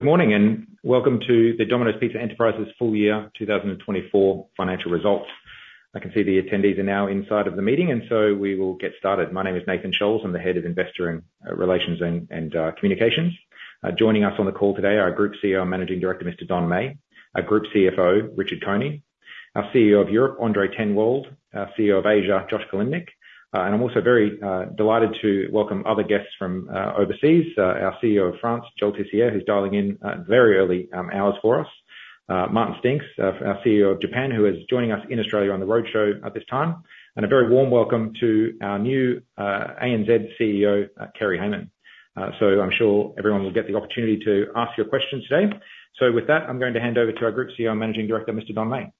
Good morning, and welcome to the Domino's Pizza Enterprises Full Year 2024 Financial Results. I can see the attendees are now inside of the meeting, and so we will get started. My name is Nathan Scholz. I'm the Head of Investor Relations and Communications. Joining us on the call today, our Group CEO, Managing Director, Mr. Don Meij, our Group CFO, Richard Coney, our CEO of Europe, André ten Wolde, our CEO of Asia, Josh Kilimnik. And I'm also very delighted to welcome other guests from overseas, our CEO of France, Joël Tissier, who's dialing in very early hours for us, Martin Steenks, our CEO of Japan, who is joining us in Australia on the roadshow at this time, and a very warm welcome to our new ANZ CEO, Kerri Hayman. So I'm sure everyone will get the opportunity to ask your questions today. So with that, I'm going to hand over to our Group CEO, Managing Director, Mr. Don Meij.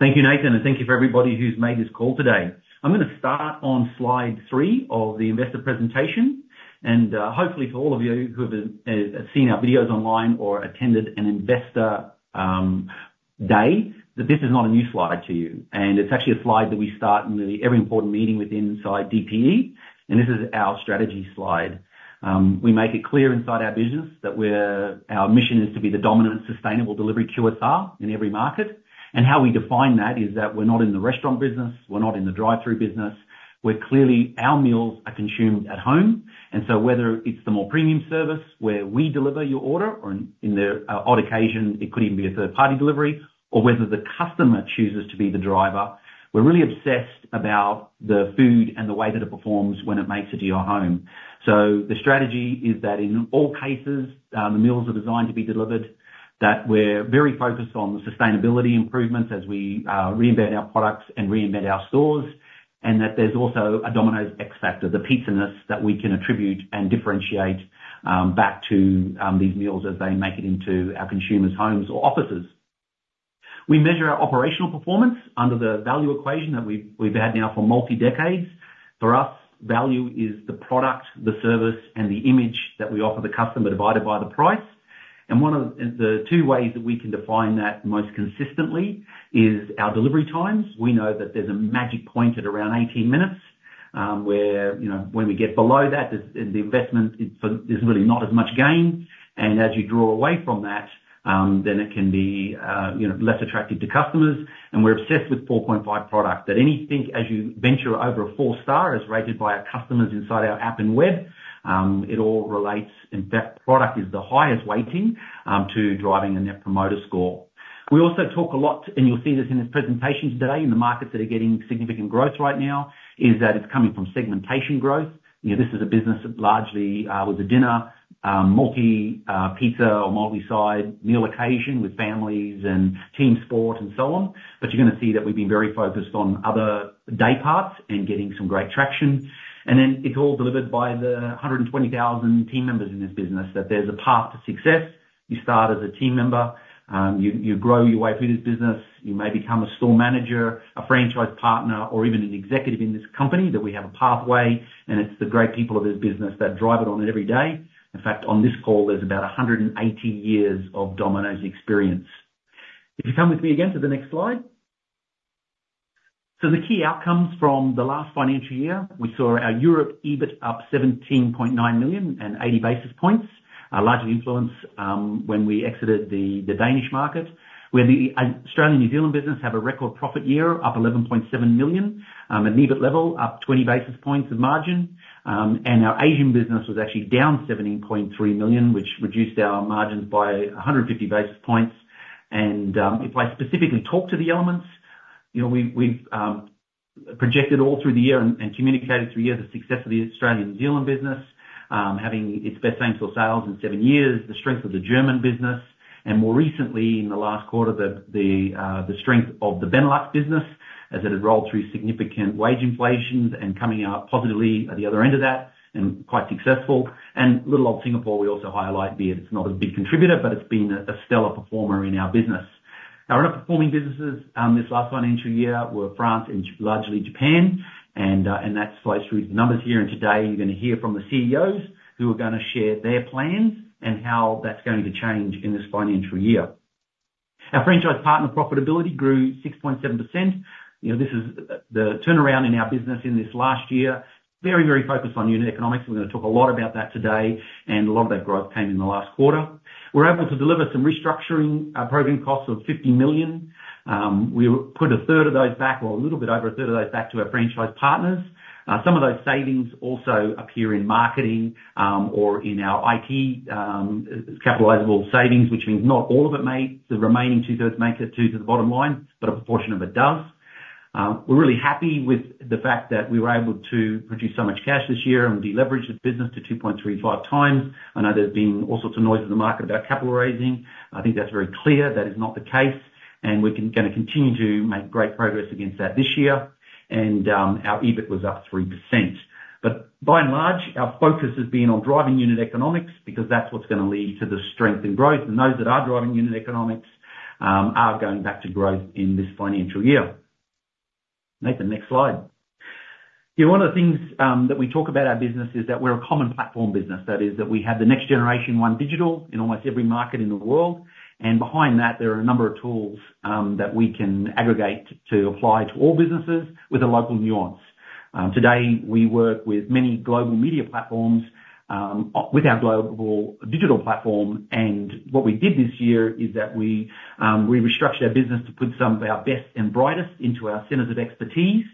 Thank you, Nathan, and thank you for everybody who's made this call today. I'm gonna start on slide three of the investor presentation, and, hopefully, for all of you who have seen our videos online or attended an Investor Day, that this is not a new slide to you, and it's actually a slide that we start in really every important meeting within inside DPE, and this is our strategy slide. We make it clear inside our business that we're our mission is to be the dominant sustainable delivery QSR in every market, and how we define that is that we're not in the restaurant business, we're not in the drive-through business. We're clearly our meals are consumed at home, and so whether it's the more premium service, where we deliver your order, or in the odd occasion, it could even be a third-party delivery, or whether the customer chooses to be the driver, we're really obsessed about the food and the way that it performs when it makes it to your home. So the strategy is that in all cases, the meals are designed to be delivered, that we're very focused on sustainability improvements as we reinvent our products and reinvent our stores, and that there's also a Domino's X Factor, the pizzaness that we can attribute and differentiate back to these meals as they make it into our consumers' homes or offices. We measure our operational performance under the value equation that we've had now for multi-decades. For us, value is the product, the service, and the image that we offer the customer, divided by the price, and one of the two ways that we can define that most consistently is our delivery times. We know that there's a magic point at around eighteen minutes, where, you know, when we get below that, the investment is, there's really not as much gain, and as you draw away from that, then it can be, you know, less attractive to customers. And we're obsessed with 4.5 product, that anything as you venture over a four star, as rated by our customers inside our app and web, it all relates, and that product is the highest weighting to driving a Net Promoter Score. We also talk a lot, and you'll see this in his presentations today, in the markets that are getting significant growth right now, is that it's coming from segmentation growth. You know, this is a business that largely with the dinner multi pizza or multi-side meal occasion with families and team sport and so on. But you're gonna see that we've been very focused on other day parts and getting some great traction, and then it's all delivered by the 120,000 team members in this business, that there's a path to success. You start as a team member, you grow your way through this business. You may become a store manager, a franchise partner, or even an executive in this company, that we have a pathway, and it's the great people of this business that drive it on it every day. In fact, on this call, there's about 180 years of Domino's experience. If you come with me again to the next slide. So the key outcomes from the last financial year, we saw our Europe EBIT up 17.9 million and 80 basis points. A larger influence, when we exited the Danish market, where the Australian and New Zealand business have a record profit year, up 11.7 million, an EBIT level, up 20 basis points of margin, and our Asian business was actually down 17.3 million, which reduced our margins by 150 basis points. If I specifically talk to the elements, you know, we've projected all through the year and communicated through the year, the success of the Australian and New Zealand business, having its best same store sales in seven years, the strength of the German business, and more recently, in the last quarter, the strength of the Benelux business as it had rolled through significant wage inflations and coming out positively at the other end of that, and quite successful, and little old Singapore, we also highlight, be it, it's not a big contributor, but it's been a stellar performer in our business. Our underperforming businesses, this last financial year, were France and largely Japan, and that slices through the numbers here, and today you're gonna hear from the CEOs, who are gonna share their plans and how that's going to change in this financial year. Our franchise partner profitability grew 6.7%. You know, this is the turnaround in our business in this last year. Very, very focused on unit economics, and we're gonna talk a lot about that today, and a lot of that growth came in the last quarter. We're able to deliver some restructuring program costs of 50 million. We put 1/3 of those back, or a little bit over 1/3 of those back to our franchise partners. Some of those savings also appear in marketing, or in our IT, capitalizable savings, which means not all of it may, the remaining 2/3 make it through to the bottom line, but a portion of it does. We're really happy with the fact that we were able to produce so much cash this year and deleverage the business to 2.35 times. I know there's been all sorts of noise in the market about capital raising. I think that's very clear. That is not the case, and we're gonna continue to make great progress against that this year, and our EBIT was up 3%. By and large, our focus has been on driving unit economics, because that's what's gonna lead to the strength and growth, and those that are driving unit economics are going back to growth in this financial year. Nathan, next slide. You know, one of the things that we talk about our business is that we're a common platform business. That is, that we have the next Generation One Digital in almost every market in the world, and behind that, there are a number of tools that we can aggregate to apply to all businesses with a local nuance. Today, we work with many global media platforms with our global digital platform, and what we did this year is that we restructured our business to put some of our best and brightest into our Centers of Expertise.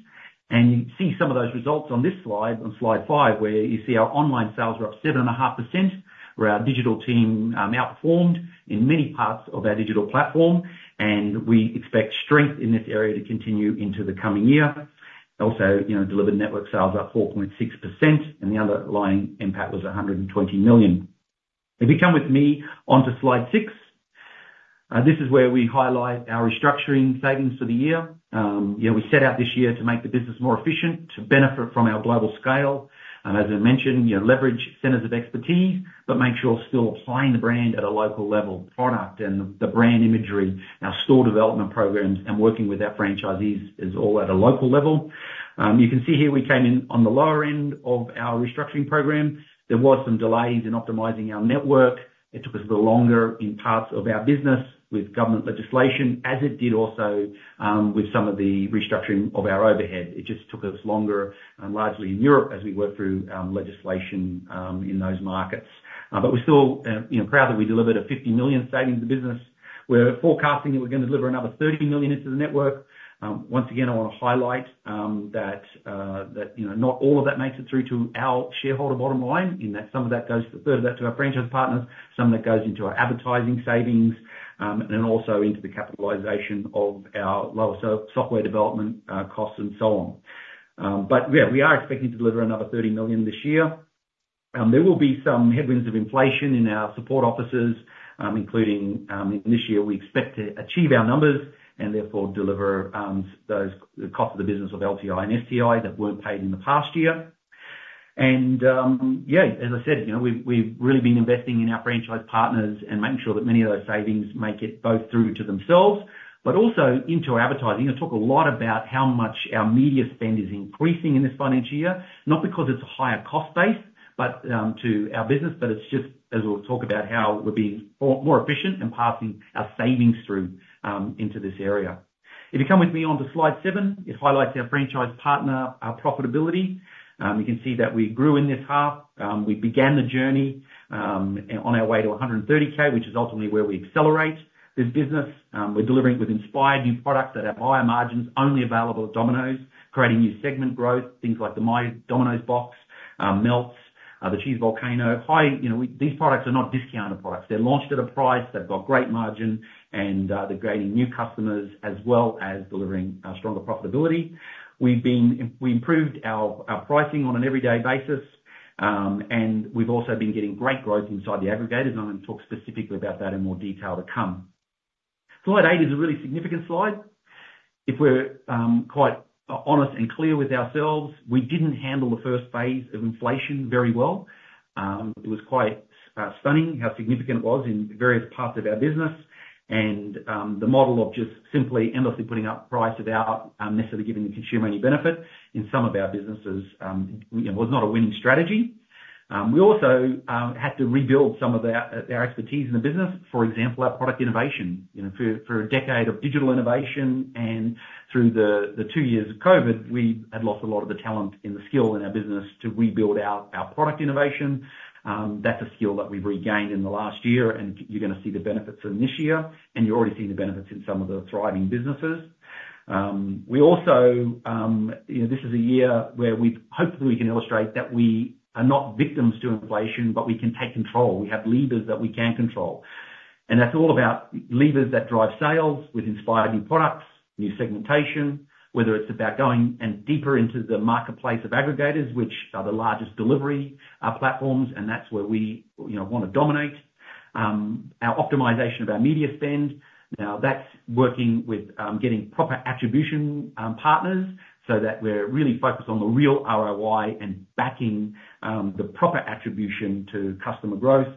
And you see some of those results on this slide, on slide five, where you see our online sales were up 7.5%, where our digital team outperformed in many parts of our digital platform, and we expect strength in this area to continue into the coming year. Also, you know, delivered network sales up 4.6%, and the underlying impact was 120 million. If you come with me onto slide six, this is where we highlight our restructuring savings for the year. You know, we set out this year to make the business more efficient, to benefit from our global scale, and as I mentioned, you know, leverage centers of expertise, but make sure we're still applying the brand at a local level. Product and the brand imagery, our store development programs, and working with our franchisees is all at a local level. You can see here we came in on the lower end of our restructuring program. There was some delays in optimizing our network. It took us a little longer in parts of our business with government legislation, as it did also, with some of the restructuring of our overhead. It just took us longer, largely in Europe, as we worked through legislation in those markets. But we're still, you know, proud that we delivered 50 million savings to business. We're forecasting that we're gonna deliver another 30 million into the network. Once again, I want to highlight that, you know, not all of that makes it through to our shareholder bottom line, in that some of that goes, 1/3 of that, to our franchise partners, some of that goes into our advertising savings, and then also into the capitalization of our software development costs, and so on, but yeah, we are expecting to deliver another 30 million this year. There will be some headwinds of inflation in our support offices, including this year, we expect to achieve our numbers, and therefore, deliver those, the cost of the business of LTI and STI that weren't paid in the past year. Yeah, as I said, you know, we've really been investing in our franchise partners and making sure that many of those savings make it both through to themselves, but also into our advertising. I talk a lot about how much our media spend is increasing in this financial year, not because it's a higher cost base, but to our business, but it's just, as we'll talk about, how we're being more efficient in passing our savings through into this area. If you come with me onto slide seven, it highlights our franchise partner profitability. You can see that we grew in this half. We began the journey on our way to 130,000, which is ultimately where we accelerate this business. We're delivering with inspired new products that have higher margins, only available at Domino's, creating new segment growth, things like the My Domino's Box, Melts, the Cheese Volcano. You know, these products are not discounted products. They're launched at a price, they've got great margin, and they're gaining new customers, as well as delivering stronger profitability. We've improved our pricing on an everyday basis, and we've also been getting great growth inside the aggregators, and I'm gonna talk specifically about that in more detail to come. Slide eight is a really significant slide. If we're quite honest and clear with ourselves, we didn't handle the first phase of inflation very well. It was quite stunning how significant it was in various parts of our business. The model of just simply endlessly putting up price without necessarily giving the consumer any benefit in some of our businesses, you know, was not a winning strategy. We also had to rebuild some of our our expertise in the business, for example, our product innovation. You know, for a decade of digital innovation and through the two years of COVID, we had lost a lot of the talent and the skill in our business to rebuild our product innovation. That's a skill that we've regained in the last year, and you're gonna see the benefits of it this year, and you're already seeing the benefits in some of the thriving businesses. We also, you know, this is a year where we've hopefully, we can illustrate that we are not victims to inflation, but we can take control. We have levers that we can control, and that's all about levers that drive sales with inspired new products, new segmentation, whether it's about going and deeper into the marketplace of aggregators, which are the largest delivery platforms, and that's where we, you know, want to dominate. Our optimization of our media spend, now that's working with getting proper attribution partners, so that we're really focused on the real ROI and backing the proper attribution to customer growth.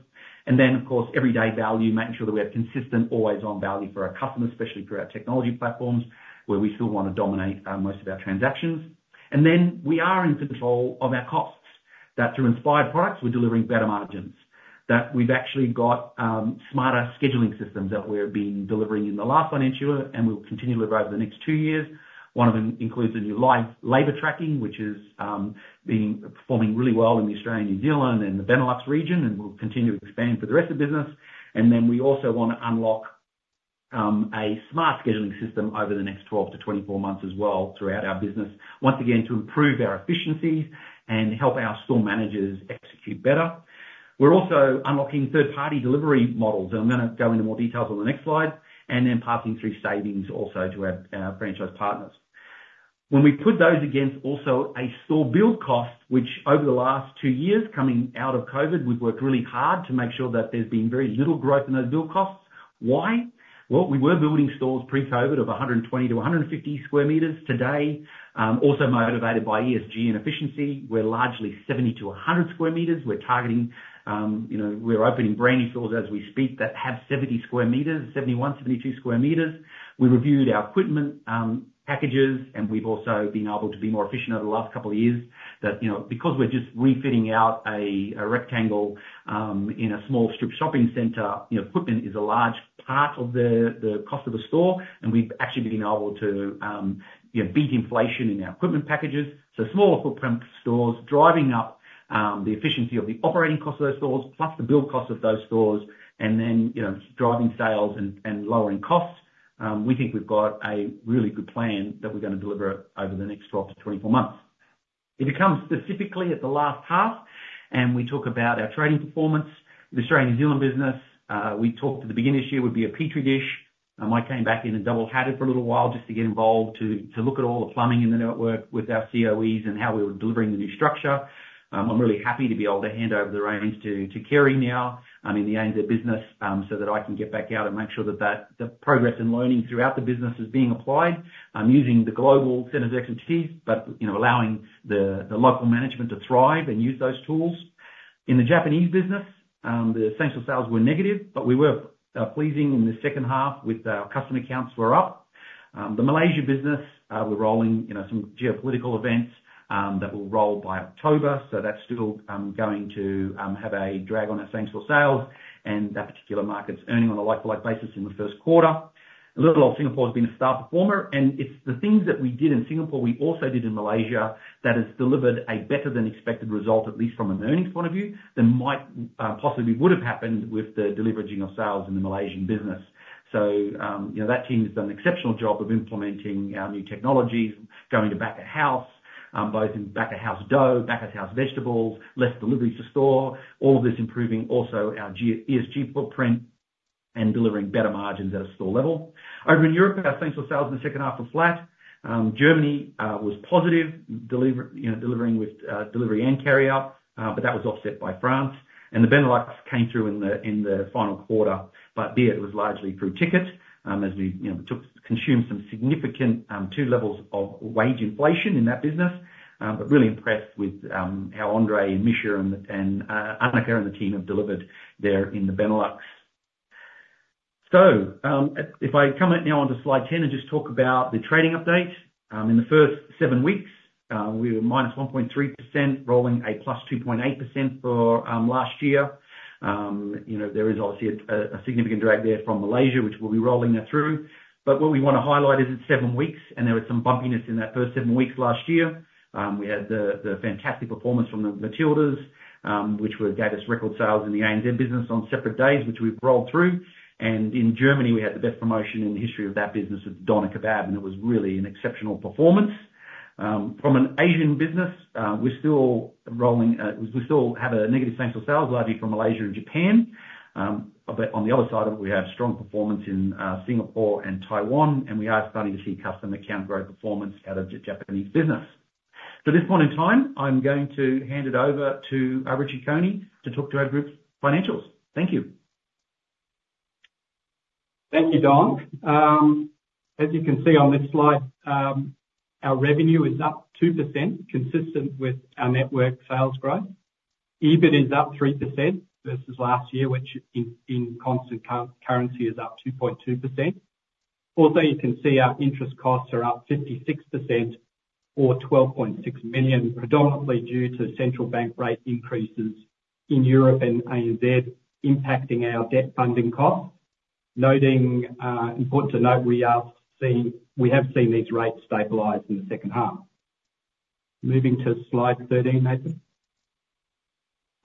And then, of course, everyday value, making sure that we have consistent always-on value for our customers, especially through our technology platforms, where we still want to dominate most of our transactions. And then we are in control of our costs. That through inspired products, we're delivering better margins, that we've actually got smarter scheduling systems that we've been delivering in the last financial year, and we'll continue to deliver over the next two years. One of them includes the new live labor tracking, which is performing really well in Australia, New Zealand, and the Benelux region, and we'll continue to expand for the rest of the business. And then we also want to unlock a smart scheduling system over the next 12 months-24 months as well throughout our business, once again, to improve our efficiencies and help our store managers execute better. We're also unlocking third-party delivery models, and I'm gonna go into more details on the next slide, and then passing through savings also to our franchise partners. When we put those against also a store build cost, which over the last two years, coming out of COVID, we've worked really hard to make sure that there's been very little growth in those build costs. Why? Well, we were building stores pre-COVID of 100 sq m-150 sq m. Today, also motivated by ESG and efficiency, we're largely 70 sq m-100 sq m. We're targeting, you know, we're opening brand new stores as we speak, that have 70 sq m, 71 sq m, 72 sq m. We reviewed our equipment packages, and we've also been able to be more efficient over the last couple of years. That, you know, because we're just refitting out a rectangle in a small strip shopping center, you know, equipment is a large part of the cost of the store, and we've actually been able to, you know, beat inflation in our equipment packages. So smaller footprint stores, driving up the efficiency of the operating cost of those stores, plus the build cost of those stores, and then, you know, driving sales and lowering costs. We think we've got a really good plan that we're gonna deliver over the next 12 months-24 months.... If you come specifically at the last half, and we talk about our trading performance, the Australian, New Zealand business, we talked at the beginning of this year would be a petri dish. I came back in and double-hatted for a little while just to get involved, to look at all the plumbing in the network with our COEs and how we were delivering the new structure. I'm really happy to be able to hand over the reins to Kerri now in the ANZ business, so that I can get back out and make sure that the progress and learning throughout the business is being applied, using the global centers of expertise, but you know, allowing the local management to thrive and use those tools. In the Japanese business, the same-store sales were negative, but we were pleasing in the second half with our customer counts were up. The Malaysia business, we're rolling with, you know, some geopolitical events that will roll by October, so that's still going to have a drag on our same-store sales, and that particular market's earning on a like-for-like basis in the first quarter. All of Singapore has been a star performer, and it's the things that we did in Singapore, we also did in Malaysia, that has delivered a better than expected result, at least from an earnings point of view, than might possibly have happened with the deleveraging of sales in the Malaysian business. You know, that team has done an exceptional job of implementing our new technologies, going to back of house, both in back of house dough, back of house vegetables, less deliveries to store, all of this improving also our ESG footprint and delivering better margins at a store level. Over in Europe, our same-store sales in the second half were flat. Germany was positive, delivering with delivery and carryout, but that was offset by France, and the Benelux came through in the final quarter, but there it was largely through ticket, as we, you know, consumed some significant two levels of wage inflation in that business. But really impressed with how André and Misja and Anke and the team have delivered there in the Benelux. If I come out now onto slide 10 and just talk about the trading update. In the first seven weeks, we were -1.3%, rolling a +2.8% for last year. You know, there is obviously a significant drag there from Malaysia, which we'll be rolling that through. But what we wanna highlight is, it's seven weeks, and there was some bumpiness in that first seven weeks last year. We had the fantastic performance from the Matildas, which gave us record sales in the ANZ business on separate days, which we've rolled through. In Germany, we had the best promotion in the history of that business with Doner Kebab, and it was really an exceptional performance. From an Asian business, we're still rolling. We still have negative same-store sales, largely from Malaysia and Japan, but on the other side of it, we have strong performance in Singapore and Taiwan, and we are starting to see customer count growth performance out of Japanese business. At this point in time, I'm going to hand it over to Richard Coney to talk to our group's financials. Thank you. Thank you, Don. As you can see on this slide, our revenue is up 2%, consistent with our network sales growth. EBIT is up 3% versus last year, which in constant currency is up 2.2%. Also, you can see our interest costs are up 56% or 12.6 million, predominantly due to central bank rate increases in Europe and ANZ impacting our debt funding costs. Important to note, we are seeing... We have seen these rates stabilize in the second half. Moving to slide 13, Nathan.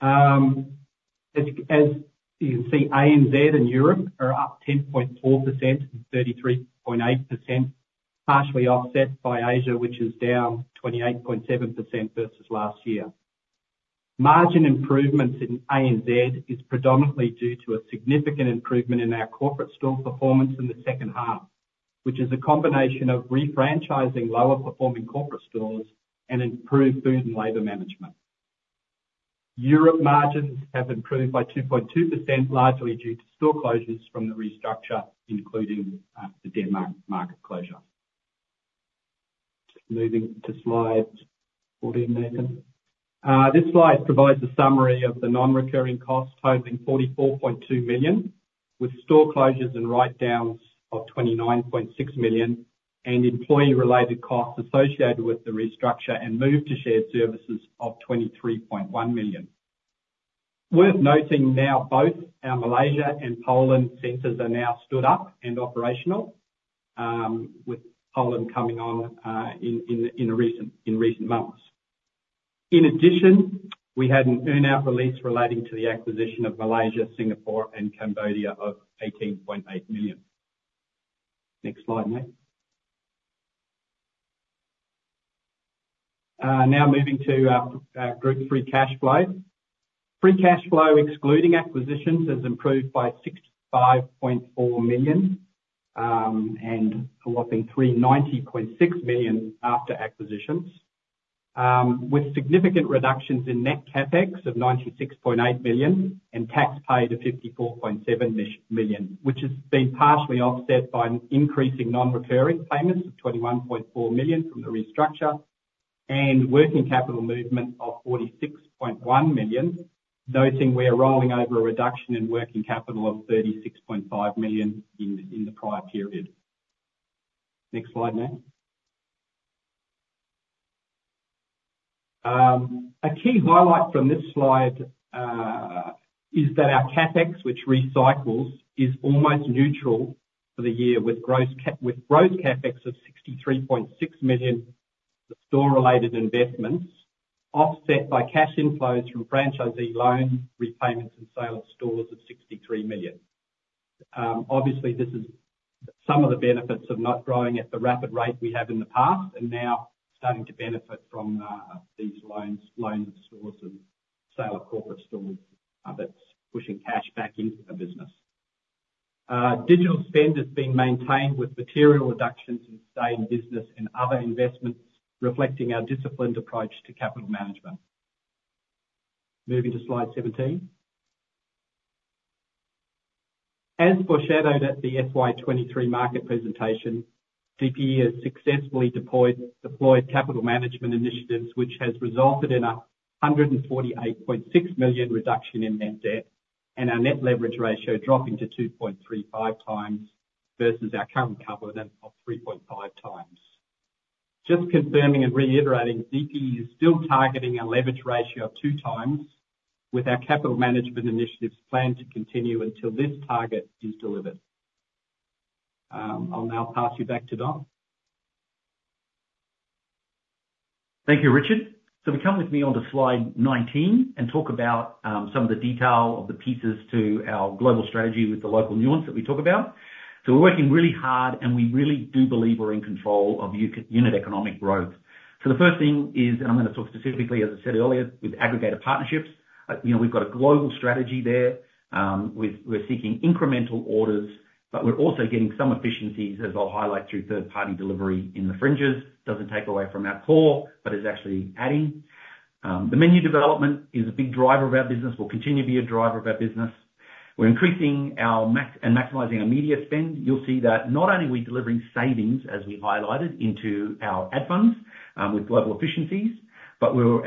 As you can see, ANZ and Europe are up 10.4% and 33.8%, partially offset by Asia, which is down 28.7% versus last year. Margin improvements in ANZ is predominantly due to a significant improvement in our corporate store performance in the second half, which is a combination of refranchising lower performing corporate stores and improved food and labor management. Europe margins have improved by 2.2%, largely due to store closures from the restructure, including the Denmark market closure. Moving to slide 14, Nathan. This slide provides a summary of the non-recurring costs, totaling 44.2 million, with store closures and write-downs of 29.6 million, and employee-related costs associated with the restructure and move to shared services of 23.1 million. Worth noting now, both our Malaysia and Poland centers are now stood up and operational, with Poland coming on in recent months. In addition, we had an earn-out release relating to the acquisition of Malaysia, Singapore, and Cambodia of 18.8 million. Next slide, Nate. Now moving to group free cash flow. Free cash flow, excluding acquisitions, has improved by 65.4 million, and a whopping 390.6 million after acquisitions. With significant reductions in net CapEx of 96.8 million, and tax paid of 54.7 million, which has been partially offset by an increasing non-recurring payments of 21.4 million from the restructure, and working capital movement of 46.1 million, noting we are rolling over a reduction in working capital of 36.5 million in the prior period. Next slide, Nate. A key highlight from this slide is that our CapEx, which recycles, is almost neutral for the year, with gross CapEx of 63.6 million, the store-related investments offset by cash inflows from franchisee loan repayments and sale of stores of 63 million. Some of the benefits of not growing at the rapid rate we have in the past are now starting to benefit from these loans, loan sources, sale of corporate stores, that's pushing cash back into the business. Digital spend has been maintained with material reductions in same business and other investments, reflecting our disciplined approach to capital management. Moving to slide 17. As foreshadowed at the FY 2023 market presentation, DPE has successfully deployed capital management initiatives, which has resulted in 148.6 million reduction in net debt, and our net leverage ratio dropping to 2.35x versus our current covenant of 3.5x. Just confirming and reiterating, DPE is still targeting a leverage ratio of 2x, with our capital management initiatives planned to continue until this target is delivered. I'll now pass you back to Don. Thank you, Richard. If you come with me onto slide 19 and talk about some of the detail of the pieces to our global strategy with the local nuance that we talk about. We're working really hard, and we really do believe we're in control of unit economic growth. The first thing is, and I'm gonna talk specifically, as I said earlier, with aggregator partnerships. You know, we've got a global strategy there. We're seeking incremental orders, but we're also getting some efficiencies, as I'll highlight, through third-party delivery in the fringes. Doesn't take away from our core, but is actually adding. The menu development is a big driver of our business, will continue to be a driver of our business. We're increasing and maximizing our media spend. You'll see that not only are we delivering savings, as we highlighted, into our ad funds with global efficiencies, but we're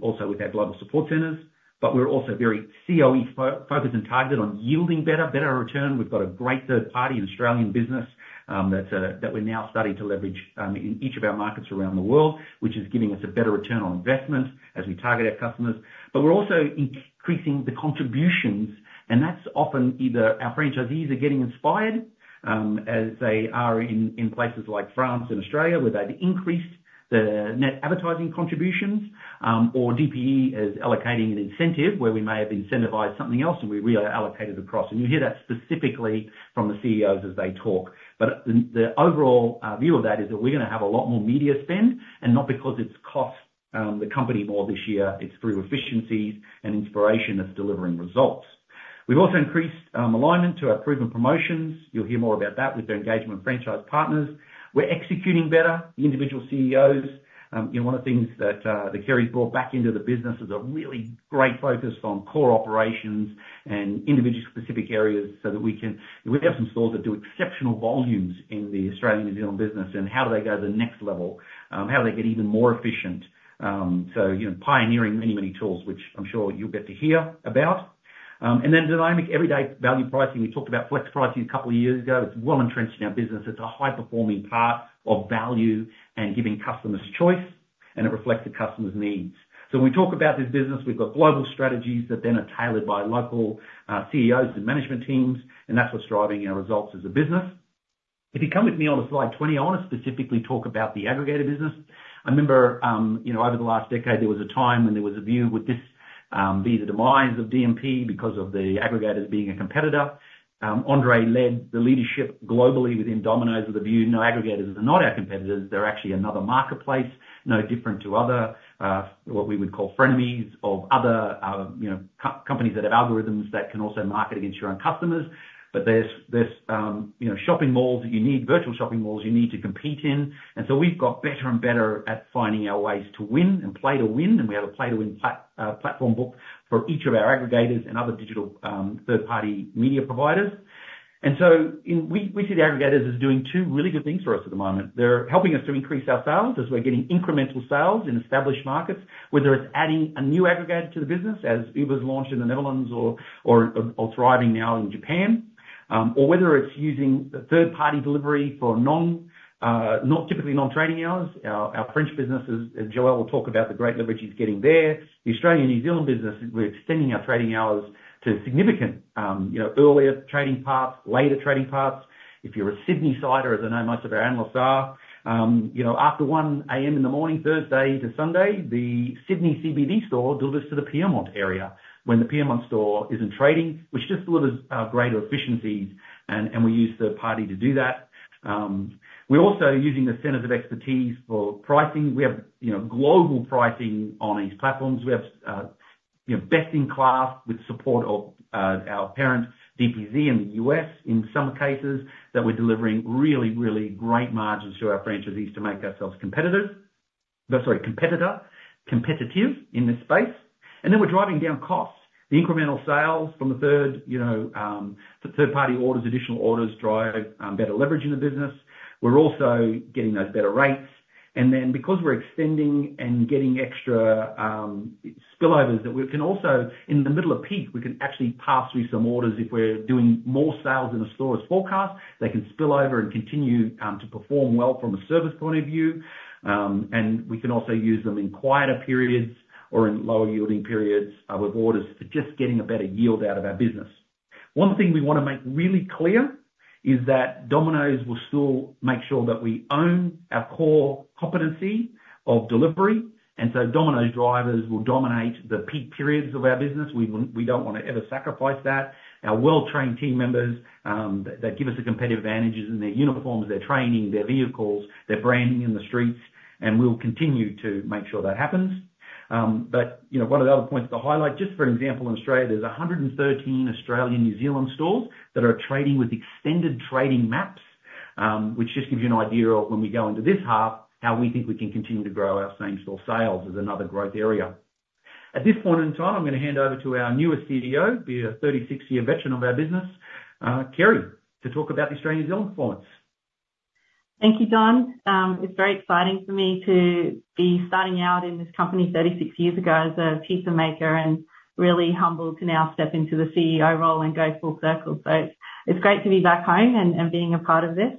also with our global support centers, but we're also very COE focused, and targeted on yielding better return. We've got a great third party in Australian business that we're now starting to leverage in each of our markets around the world, which is giving us a better return on investment as we target our customers. But we're also increasing the contributions, and that's often either our franchisees are getting inspired, as they are in places like France and Australia, where they've increased the net advertising contributions, or DPE is allocating an incentive, where we may have incentivized something else, and we reallocated across. You'll hear that specifically from the CEOs as they talk. But the overall view of that is that we're gonna have a lot more media spend, and not because it's cost the company more this year, it's through efficiencies and inspiration that's delivering results. We've also increased alignment to our proven promotions. You'll hear more about that with the engaging franchise partners. We're executing better, the individual CEOs. You know, one of the things that that Kerri's brought back into the business is a really great focus on core operations and individual specific areas, so that we can. We have some stores that do exceptional volumes in the Australian and New Zealand business, and how do they go to the next level? How do they get even more efficient? So, you know, pioneering many, many tools, which I'm sure you'll get to hear about. And then dynamic everyday value pricing. We talked about flex pricing a couple of years ago. It's well entrenched in our business. It's a high-performing part of value and giving customers choice, and it reflects the customer's needs. So when we talk about this business, we've got global strategies that then are tailored by local CEOs and management teams, and that's what's driving our results as a business. If you come with me onto slide 20, I want to specifically talk about the aggregator business. I remember, you know, over the last decade, there was a time when there was a view: would this be the demise of DMP because of the aggregators being a competitor? Andre led the leadership globally within Domino's with a view, "No, aggregators are not our competitors. They're actually another marketplace, no different to other what we would call frenemies, of other, you know, companies that have algorithms that can also market against your own customers. But there's, you know, virtual shopping malls you need to compete in. And so we've got better and better at finding our ways to win and play to win, and we have a play to win platform book for each of our aggregators and other digital, third-party media providers. And so, you know, we see the aggregators as doing two really good things for us at the moment. They're helping us to increase our sales, as we're getting incremental sales in established markets, whether it's adding a new aggregator to the business, as Uber's launch in the Netherlands or thriving now in Japan, or whether it's using a third-party delivery for typically non-trading hours. Our French business, as Joël will talk about, the great leverage he's getting there. The Australian and New Zealand business, we're extending our trading hours to significant, you know, earlier trading parts, later trading parts. If you're a Sydney-sider, as I know most of our analysts are, you know, after 1:00 A.M. in the morning, Thursday to Sunday, the Sydney CBD store delivers to the Pyrmont area when the Pyrmont store isn't trading, which just delivers greater efficiencies, and we use third-party to do that. We're also using the centers of expertise for pricing. We have, you know, global pricing on these platforms. We have, best-in-class, with support of, our parent, DPZ in the U.S., in some cases, that we're delivering really, really great margins to our franchisees to make ourselves competitive. Sorry, competitor, competitive in this space. And then we're driving down costs. The incremental sales from the third-party orders, additional orders drive better leverage in the business. We're also getting those better rates. And then, because we're extending and getting extra spillovers, that we can also, in the middle of peak, we can actually pass through some orders. If we're doing more sales in a store's forecast, they can spill over and continue to perform well from a service point of view. And we can also use them in quieter periods or in lower-yielding periods, with orders, for just getting a better yield out of our business. One thing we want to make really clear is that Domino's will still make sure that we own our core competency of delivery, and so Domino's drivers will dominate the peak periods of our business. We don't want to ever sacrifice that. Our well-trained team members that give us a competitive advantage is in their uniforms, their training, their vehicles, their branding in the streets, and we'll continue to make sure that happens. But, you know, one of the other points to highlight, just for example, in Australia, there's 113 Australia and New Zealand stores that are trading with extended trading maps, which just gives you an idea of when we go into this half, how we think we can continue to grow our same store sales as another growth area. At this point in time, I'm going to hand over to our newest CEO, a 36-year veteran of our business, Kerri, to talk about the Australia and New Zealand performance. Thank you, Don. It's very exciting for me to be starting out in this company 36 years ago as a pizza maker, and really humbled to now step into the CEO role and go full circle. So it's great to be back home and being a part of this.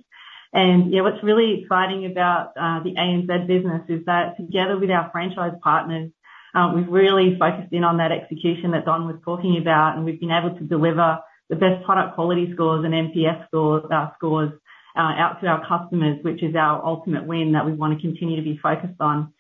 And, yeah, what's really exciting about the ANZ business is that together with our franchise partners, we've really focused in on that execution that Don was talking about, and we've been able to deliver the best product quality scores and NPS scores out to our customers, which is our ultimate win that we want to continue to be focused on.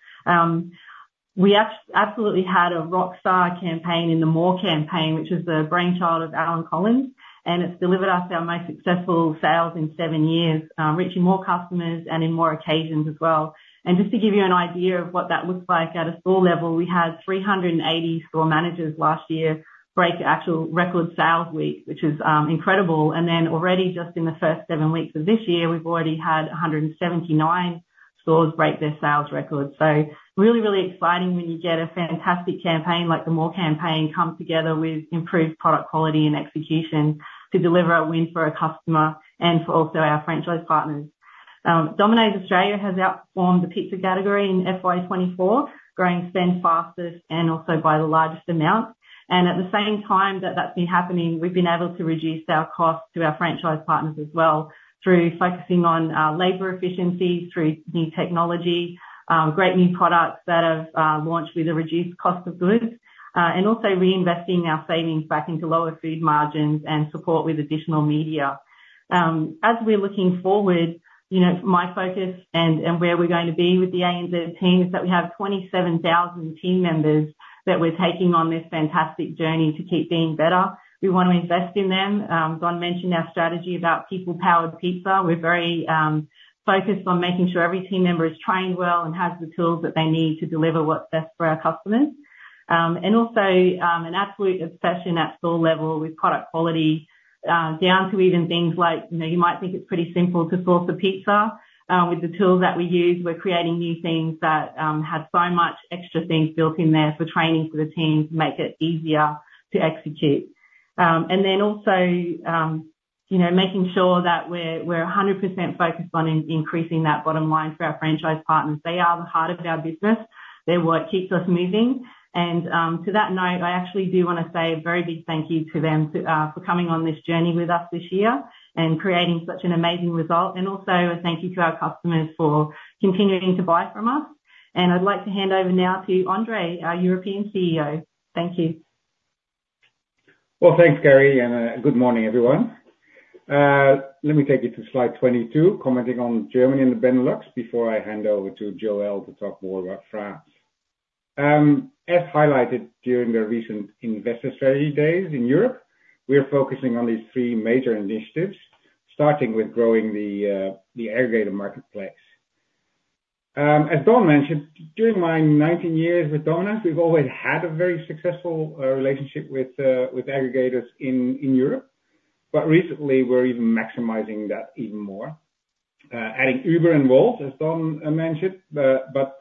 We absolutely had a rockstar campaign in the MORE campaign, which is the brainchild of Allan Collins, and it's delivered us our most successful sales in seven years, reaching more customers and in more occasions as well. And just to give you an idea of what that looks like at a store level, we had 380 store managers last year break actual record sales week, which is incredible. And then already, just in the first seven weeks of this year, we've already had 179 stores break their sales records. So really, really exciting when you get a fantastic campaign, like the MORE campaign, come together with improved product quality and execution to deliver a win for our customer and for also our franchise partners. Domino's Australia has outperformed the pizza category in FY 2024, growing spend fastest and also by the largest amount. At the same time that that's been happening, we've been able to reduce our costs to our franchise partners as well, through focusing on labor efficiencies, through new technology, great new products that have launched with a reduced cost of goods, and also reinvesting our savings back into lower food margins and support with additional media. As we're looking forward, you know, my focus and where we're going to be with the ANZ team is that we have 27,000 team members that we're taking on this fantastic journey to keep being better. We want to invest in them. Don mentioned our strategy about People-Powered Pizza. We're very focused on making sure every team member is trained well and has the tools that they need to deliver what's best for our customers. And also, an absolute obsession at store level with product quality, down to even things like, you know, you might think it's pretty simple to source a pizza. With the tools that we use, we're creating new things that have so much extra things built in there for training for the teams, make it easier to execute. And then also, you know, making sure that we're 100% focused on increasing that bottom line for our franchise partners. They are the heart of our business. They're what keeps us moving. To that note, I actually do want to say a very big thank you to them for coming on this journey with us this year and creating such an amazing result, and also a thank you to our customers for continuing to buy from us. I'd like to hand over now to André, our European CEO. Thank you. Thanks, Kerri, and good morning, everyone. Let me take you to slide 22, commenting on Germany and the Benelux before I hand over to Joël to talk more about France. As highlighted during the recent investor strategy days in Europe, we are focusing on these three major initiatives, starting with growing the aggregator marketplace. As Don mentioned, during my 19 years with Domino's, we've always had a very successful relationship with aggregators in Europe, but recently, we're even maximizing that even more. Adding Uber and Wolt, as Don mentioned, but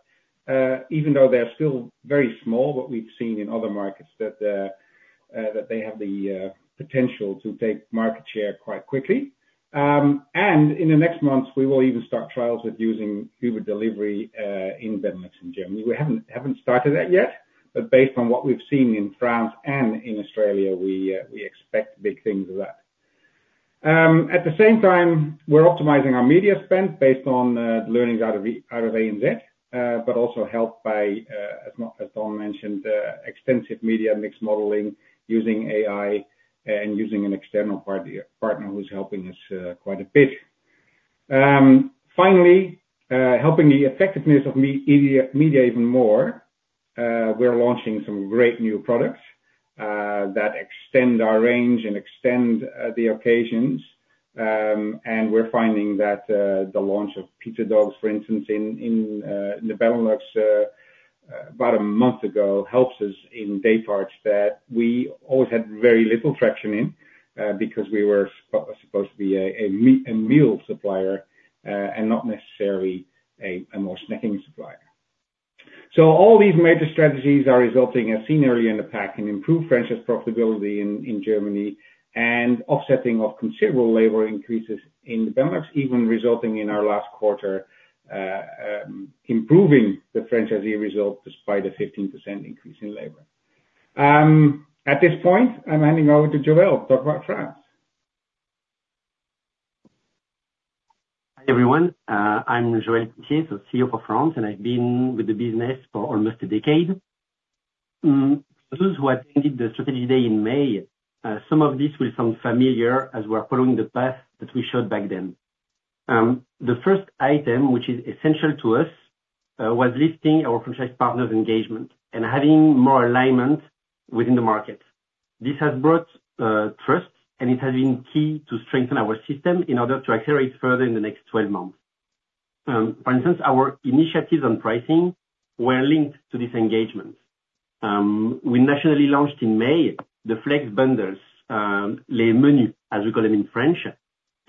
even though they're still very small, what we've seen in other markets, that they have the potential to take market share quite quickly. And in the next months, we will even start trials with using Uber Delivery in Benelux and Germany. We haven't started that yet, but based on what we've seen in France and in Australia, we expect big things of that. At the same time, we're optimizing our media spend based on learnings out of ANZ, but also helped by, as Don mentioned, extensive media mix modeling using AI and using an external party partner who's helping us quite a bit. Finally, helping the effectiveness of media even more, we're launching some great new products that extend our range and extend the occasions. And we're finding that the launch of Pizza Dogs, for instance, in the Benelux about a month ago, helps us in day parts that we always had very little traction in, because we were supposed to be a meal supplier, and not necessarily a more snacking supplier. So all these major strategies are resulting in seen early in the pack and improved franchise profitability in Germany, and offsetting of considerable labor increases in the Benelux, even resulting in our last quarter improving the franchisee results despite a 15% increase in labor. At this point, I'm handing over to Joël to talk about France. .Hi, everyone. I'm Joël Tissier, the CEO for France, and I've been with the business for almost a decade. Those who attended the strategy day in May, some of this will sound familiar as we're following the path that we showed back then. The first item, which is essential to us, was listing our franchise partners' engagement and having more alignment within the market. This has brought trust, and it has been key to strengthen our system in order to accelerate further in the next 12 months. For instance, our initiatives on pricing were linked to this engagement. We nationally launched in May, the Flex Bundles, Les Menus, as we call them in French,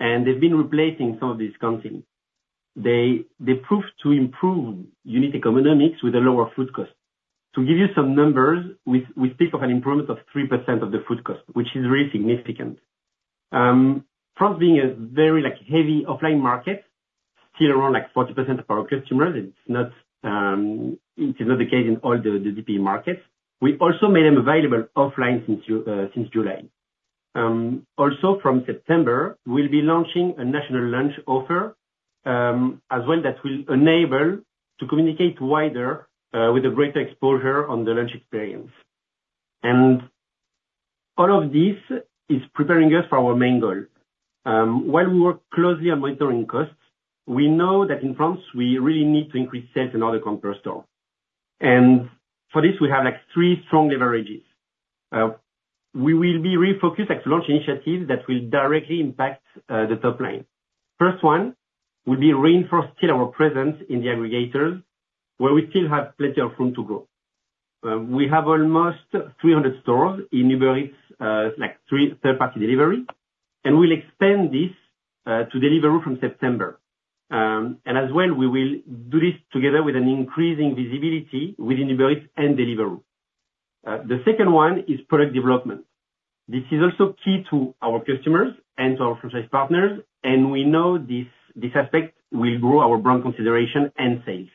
and they've been replacing some discounting. They proved to improve unit economics with a lower food cost. To give you some numbers, we speak of an improvement of 3% of the food cost, which is really significant. France being a very, like, heavy offline market, still around, like, 40% of our customers, it's not the case in all the DPE markets. We also made them available offline since July. Also from September, we'll be launching a national lunch offer, as well, that will enable to communicate wider, with a greater exposure on the lunch experience, and all of this is preparing us for our main goal. While we work closely on monitoring costs, we know that in France, we really need to increase sales in order to comp store, and for this, we have, like, three strong leverages. We will be refocused at launch initiatives that will directly impact the top line. First one will be reinforced still our presence in the aggregators, where we still have plenty of room to grow. We have almost 300 stores in Uber Eats, like three third-party delivery, and we'll expand this to Deliveroo from September. And as well, we will do this together with an increasing visibility within Uber Eats and Deliveroo. The second one is product development. This is also key to our customers and to our franchise partners, and we know this aspect will grow our brand consideration and sales.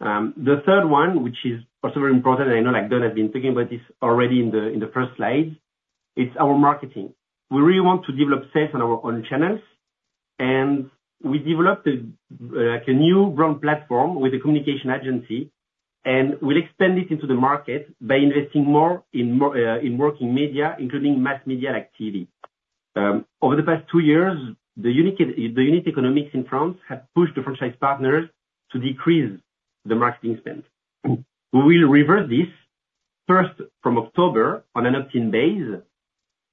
The third one, which is also very important, I know, like, Don has been talking about this already in the first slide. It's our marketing. We really want to develop sales on our own channels, and we developed a, like, a new brand platform with a communication agency, and we'll extend it into the market by investing more in working media, including mass media, like TV. Over the past two years, the unique economics in France have pushed the franchise partners to decrease the marketing spend. We will reverse this, first, from October on an opt-in basis,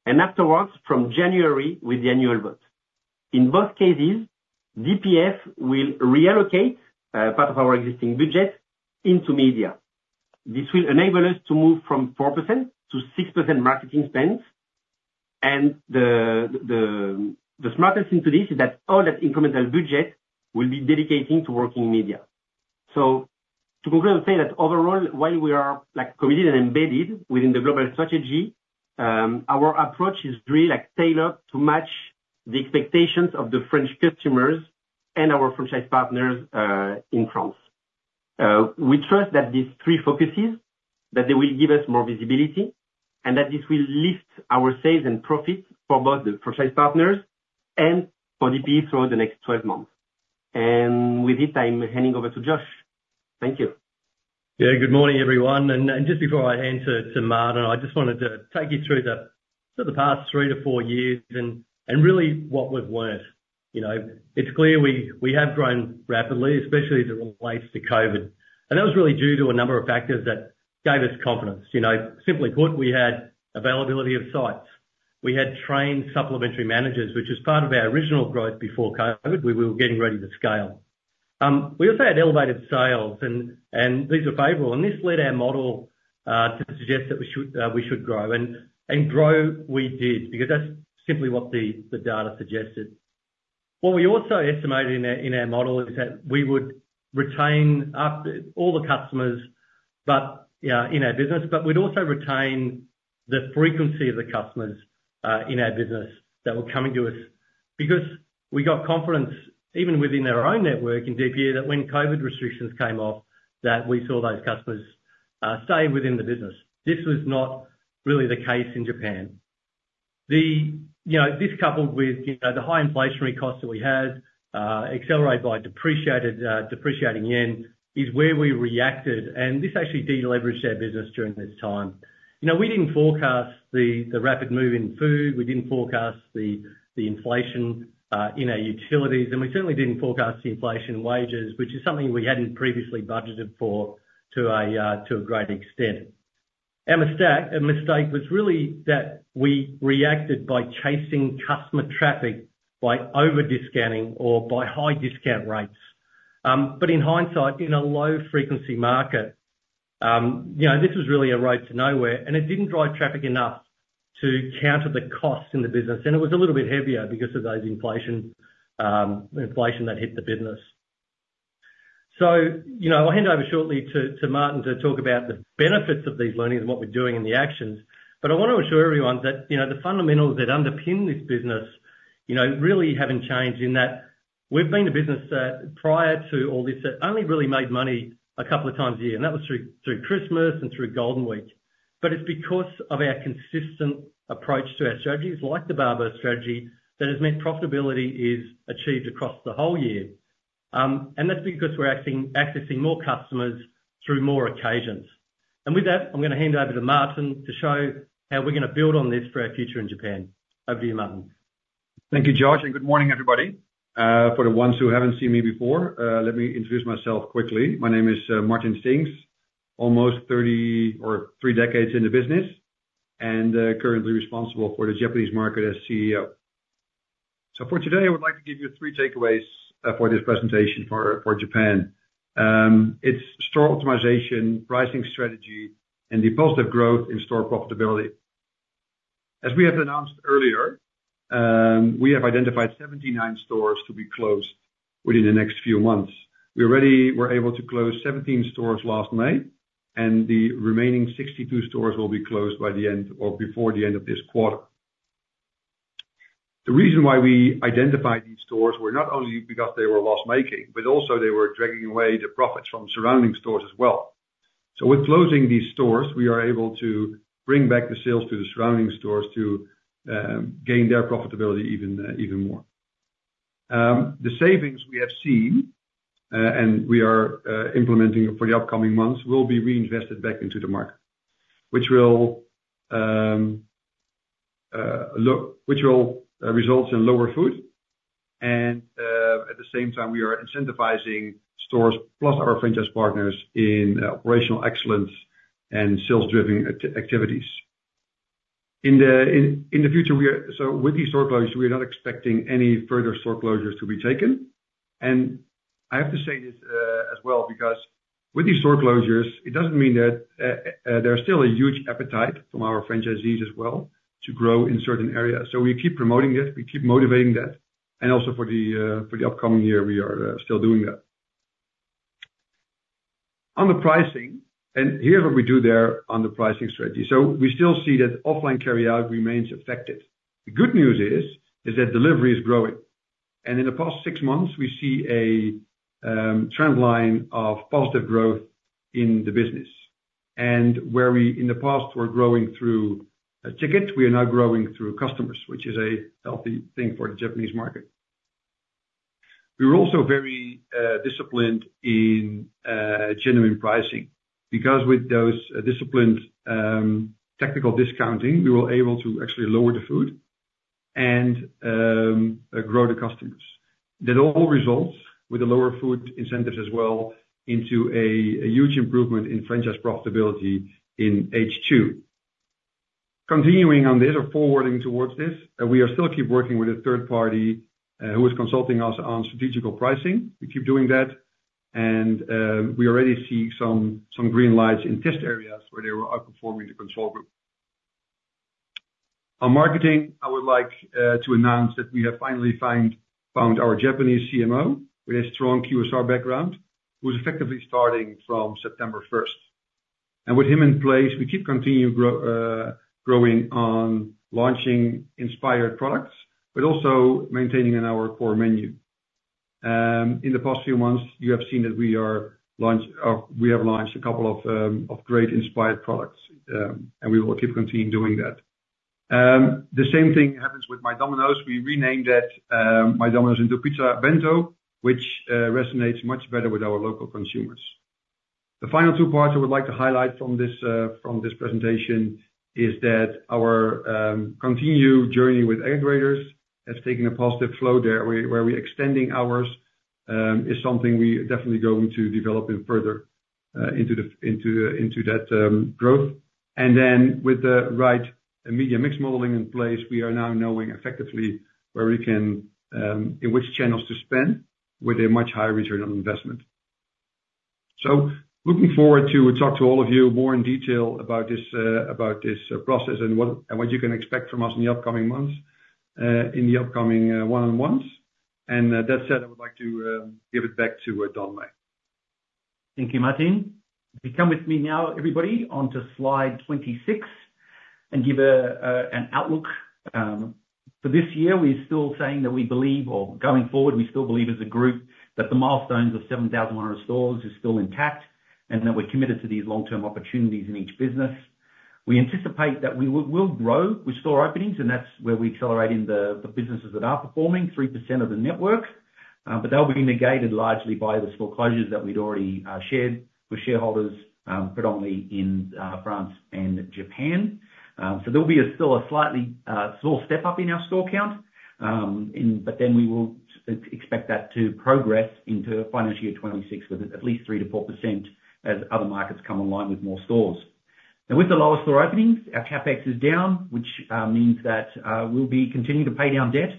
and afterwards, from January with the annual vote. In both cases, DPE will reallocate part of our existing budget into media. This will enable us to move from 4% to 6% marketing spends, and the smartest thing to this is that all that incremental budget will be dedicating to working media. To conclude and say that overall, while we are, like, committed and embedded within the global strategy, our approach is really, like, tailored to match the expectations of the French customers and our franchise partners in France. We trust that these three focuses, that they will give us more visibility, and that this will lift our sales and profit for both the franchise partners and for DP through the next 12 months. With this, I'm handing over to Josh. Thank you. Yeah. Good morning, everyone. And just before I hand to Martin, I just wanted to take you through the past three to four years and really what we've learned. You know, it's clear we have grown rapidly, especially as it relates to COVID, and that was really due to a number of factors that gave us confidence. You know, simply put, we had availability of sites. We had trained supplementary managers, which is part of our original growth before COVID. We were getting ready to scale. We also had elevated sales, and these were favorable, and this led our model to suggest that we should grow. And grow, we did, because that's simply what the data suggested. What we also estimated in our model is that we would retain up all the customers, but in our business, but we'd also retain the frequency of the customers in our business that were coming to us. Because we got confidence, even within our own network in DP, that when COVID restrictions came off, that we saw those customers stay within the business. This was not really the case in Japan. You know, this coupled with, you know, the high inflationary costs that we had, accelerated by depreciated, depreciating Yen, is where we reacted, and this actually de-leveraged our business during this time. You know, we didn't forecast the rapid move in food. We didn't forecast the inflation in our utilities, and we certainly didn't forecast the inflation in wages, which is something we hadn't previously budgeted for to a great extent. Our mistake was really that we reacted by chasing customer traffic, by over-discounting or by high discount rates, but in hindsight, in a low-frequency market, you know, this was really a road to nowhere, and it didn't drive traffic enough to counter the costs in the business, and it was a little bit heavier because of those inflation that hit the business. You know, I'll hand over shortly to Martin to talk about the benefits of these learnings and what we're doing and the actions, but I want to assure everyone that, you know, the fundamentals that underpin this business, you know, really haven't changed, in that we've been a business that, prior to all this, that only really made money a couple of times a year, and that was through Christmas and Golden Week. But it's because of our consistent approach to our strategies, like the Barbell strategy, that has meant profitability is achieved across the whole year, and that's because we're accessing more customers through more occasions. With that, I'm gonna hand over to Martin to show how we're gonna build on this for our future in Japan. Over to you, Martin. Thank you, Josh, and good morning, everybody. For the ones who haven't seen me before, let me introduce myself quickly. My name is Martin Steenks. Almost 30 or three decades in the business, and currently responsible for the Japanese market as CEO. So for today, I would like to give you three takeaways for this presentation for Japan. It's store optimization, pricing strategy, and the positive growth in store profitability. As we had announced earlier, we have identified 79 stores to be closed within the next few months. We already were able to close 17 stores last May, and the remaining62 stores will be closed by the end or before the end of this quarter. The reason why we identified these stores were not only because they were loss-making, but also they were dragging away the profits from surrounding stores as well. So with closing these stores, we are able to bring back the sales to the surrounding stores to gain their profitability even more. The savings we have seen and we are implementing for the upcoming months will be reinvested back into the market, which will result in lower food, and at the same time, we are incentivizing stores, plus our franchise partners in operational excellence and sales-driven activities. In the future, so with these store closures, we are not expecting any further store closures to be taken. I have to say this as well, because with these store closures, it doesn't mean that there's still a huge appetite from our franchisees as well to grow in certain areas. We keep promoting that, we keep motivating that, and also for the upcoming year, we are still doing that. On the pricing, here's what we do there on the pricing strategy. We still see that offline carryout remains affected. The good news is that delivery is growing, and in the past six months, we see a trend line of positive growth in the business. Where we in the past were growing through a ticket, we are now growing through customers, which is a healthy thing for the Japanese market. We are also very disciplined in genuine pricing, because with those disciplined technical discounting, we were able to actually lower the food and grow the customers. That all results with the lower food incentives as well into a huge improvement in franchise profitability in H2. Continuing on this or forwarding towards this, we are still keep working with a third-party who is consulting us on strategic pricing. We keep doing that, and we already see some green lights in test areas where they were outperforming the control group. On marketing, I would like to announce that we have finally found our Japanese CMO, with a strong QSR background, who is effectively starting from September 1st, and with him in place, we keep continuing growing on launching inspired products, but also maintaining in our core menu. In the past few months, you have seen that we have launched a couple of great inspired products, and we will keep continuing doing that. The same thing happens with My Domino's. We renamed that My Domino's into Pizza Bento, which resonates much better with our local consumers. The final two parts I would like to highlight from this presentation is that our continued journey with aggregators has taken a positive flow there, where we're extending hours is something we are definitely going to develop further into that growth. And then with the right media mix modeling in place, we are now knowing effectively where we can in which channels to spend with a much higher return on investment. So looking forward to talk to all of you more in detail about this process and what you can expect from us in the upcoming months, in the upcoming one-on-ones. And that said, I would like to give it back to Don Meij. Thank you, Martin. If you come with me now, everybody, onto slide 26, and give an outlook. For this year, we're still saying that we believe, or going forward, we still believe as a group, that the milestones of seven thousand one hundred stores is still intact, and that we're committed to these long-term opportunities in each business. We anticipate that we will grow with store openings, and that's where we accelerate in the businesses that are performing, 3% of the network, but that will be negated largely by the store closures that we'd already shared with shareholders, predominantly in France and Japan. So there'll be still a slightly small step up in our store count, but then we will expect that to progress into financial year 2026, with at least 3%-4%, as other markets come online with more stores, and with the lower store openings, our CapEx is down, which means that we'll be continuing to pay down debt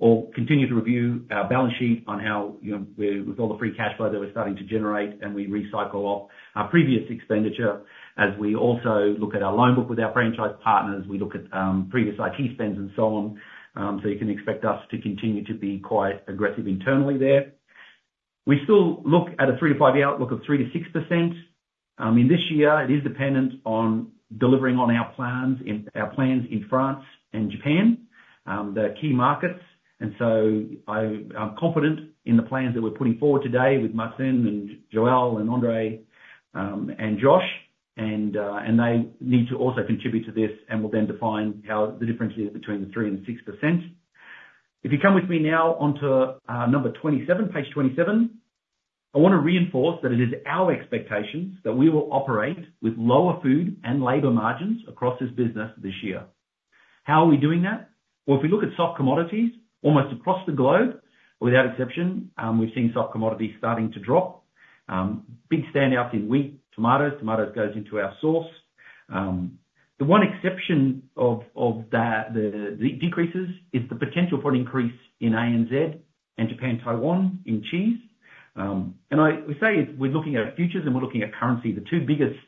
or continue to review our balance sheet on how, you know, with all the free cash flow that we're starting to generate, and we recycle off our previous expenditure, as we also look at our loan book with our franchise partners, we look at previous IT spends and so on, so you can expect us to continue to be quite aggressive internally there. We still look at a 3 year-5 year outlook of 3%-6%. In this year, it is dependent on delivering on our plans in our plans in France and Japan, the key markets, and so I'm confident in the plans that we're putting forward today with Martin and Joël and André, and Josh, and they need to also contribute to this, and will then define how the difference is between the 3% and 6%. If you come with me now onto number 27, page 27, I wanna reinforce that it is our expectation that we will operate with lower food and labor margins across this business this year. How are we doing that? Well, if we look at soft commodities, almost across the globe, without exception, we've seen soft commodities starting to drop. Big standouts in wheat, tomatoes, tomatoes goes into our sauce. The one exception of the decreases is the potential for an increase in ANZ and Japan, Taiwan, in cheese. And we say it's, we're looking at futures and we're looking at currency, the two biggest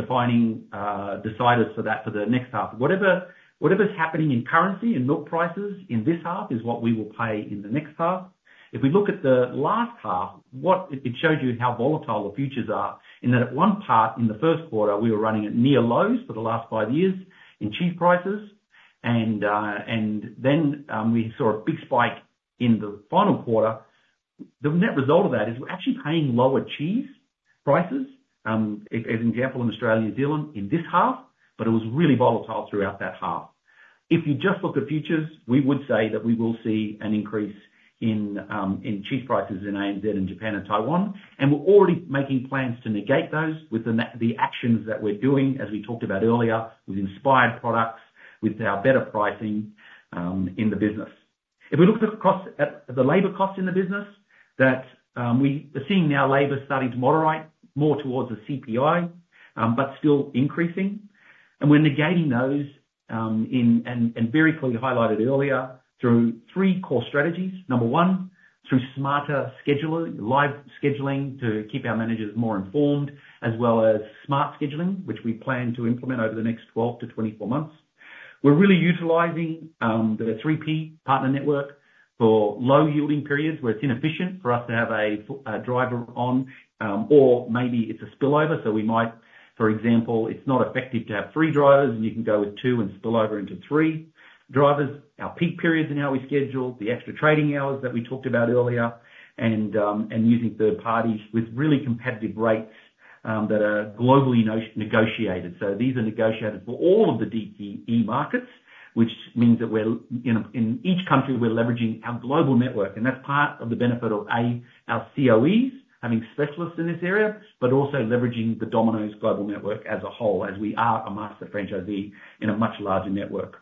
defining deciders for that for the next half. Whatever's happening in currency and milk prices in this half is what we will pay in the next half. If we look at the last half, it showed you how volatile the futures are, in that at one part in the first quarter, we were running at near lows for the last five years in cheese prices, and then we saw a big spike in the final quarter. The net result of that is we're actually paying lower cheese prices, as example, in Australia and New Zealand in this half, but it was really volatile throughout that half. If you just look at futures, we would say that we will see an increase in cheese prices in ANZ, and Japan, and Taiwan, and we're already making plans to negate those with the actions that we're doing, as we talked about earlier, with inspired products, with our better pricing in the business. If we looked at cost, at the labor costs in the business, that we are seeing now labor starting to moderate more towards the CPI, but still increasing. We're negating those and very clearly highlighted earlier, through three core strategies. Number one, through smarter scheduling, live scheduling, to keep our managers more informed, as well as smart scheduling, which we plan to implement over the next 12 months-24 months. We're really utilizing the 3P partner network for low yielding periods, where it's inefficient for us to have a driver on, or maybe it's a spillover, so we might. For example, it's not effective to have three drivers, and you can go with two and spill over into three drivers. Our peak periods and how we schedule, the extra trading hours that we talked about earlier, and using third parties with really competitive rates that are globally negotiated. So these are negotiated for all of the DPE markets, which means that we're you know, in each country, we're leveraging our global network, and that's part of the benefit of, A, our COEs, having specialists in this area, but also leveraging the Domino's global network as a whole, as we are a master franchisee in a much larger network.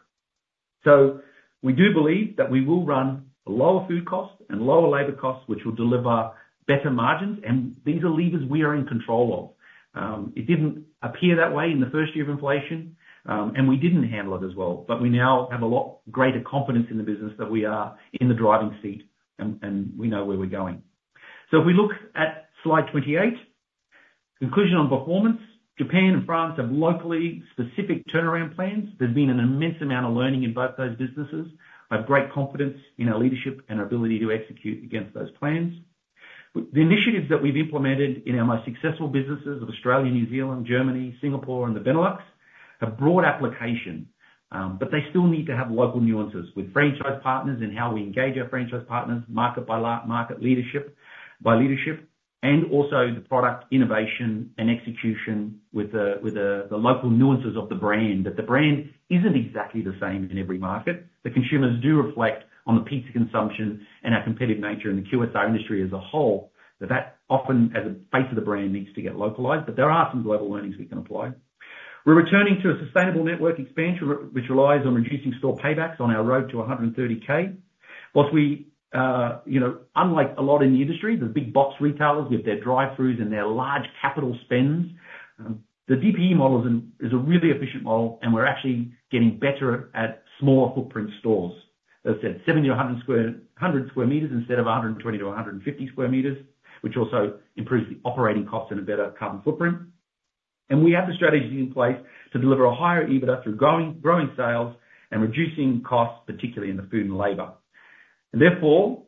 So we do believe that we will run lower food costs and lower labor costs, which will deliver better margins, and these are levers we are in control of. It didn't appear that way in the first year of inflation, and we didn't handle it as well, but we now have a lot greater confidence in the business that we are in the driving seat, and, and we know where we're going. So if we look at slide 28, conclusion on performance. Japan and France have locally specific turnaround plans. There's been an immense amount of learning in both those businesses. I have great confidence in our leadership and our ability to execute against those plans. The initiatives that we've implemented in our most successful businesses of Australia, New Zealand, Germany, Singapore, and the Benelux have broad application, but they still need to have local nuances with franchise partners and how we engage our franchise partners, market by market leadership, and also the product innovation and execution with the local nuances of the brand, that the brand isn't exactly the same in every market. The consumers do reflect on the pizza consumption and our competitive nature in the QSR industry as a whole, that often, as a base of the brand, needs to get localized, but there are some global learnings we can apply. We're returning to a sustainable network expansion, which relies on reducing store paybacks on our road to 130,000. While we, you know, unlike a lot in the industry, the big box retailers with their drive-throughs and their large capital spends, the DPE model is a really efficient model, and we're actually getting better at smaller footprint stores. As I said, 70 sq m-100 sq m instead of 120 sq m-150 sq m, which also improves the operating costs and a better carbon footprint. We have the strategies in place to deliver a higher EBITDA through growing sales and reducing costs, particularly in the food and labor. Therefore,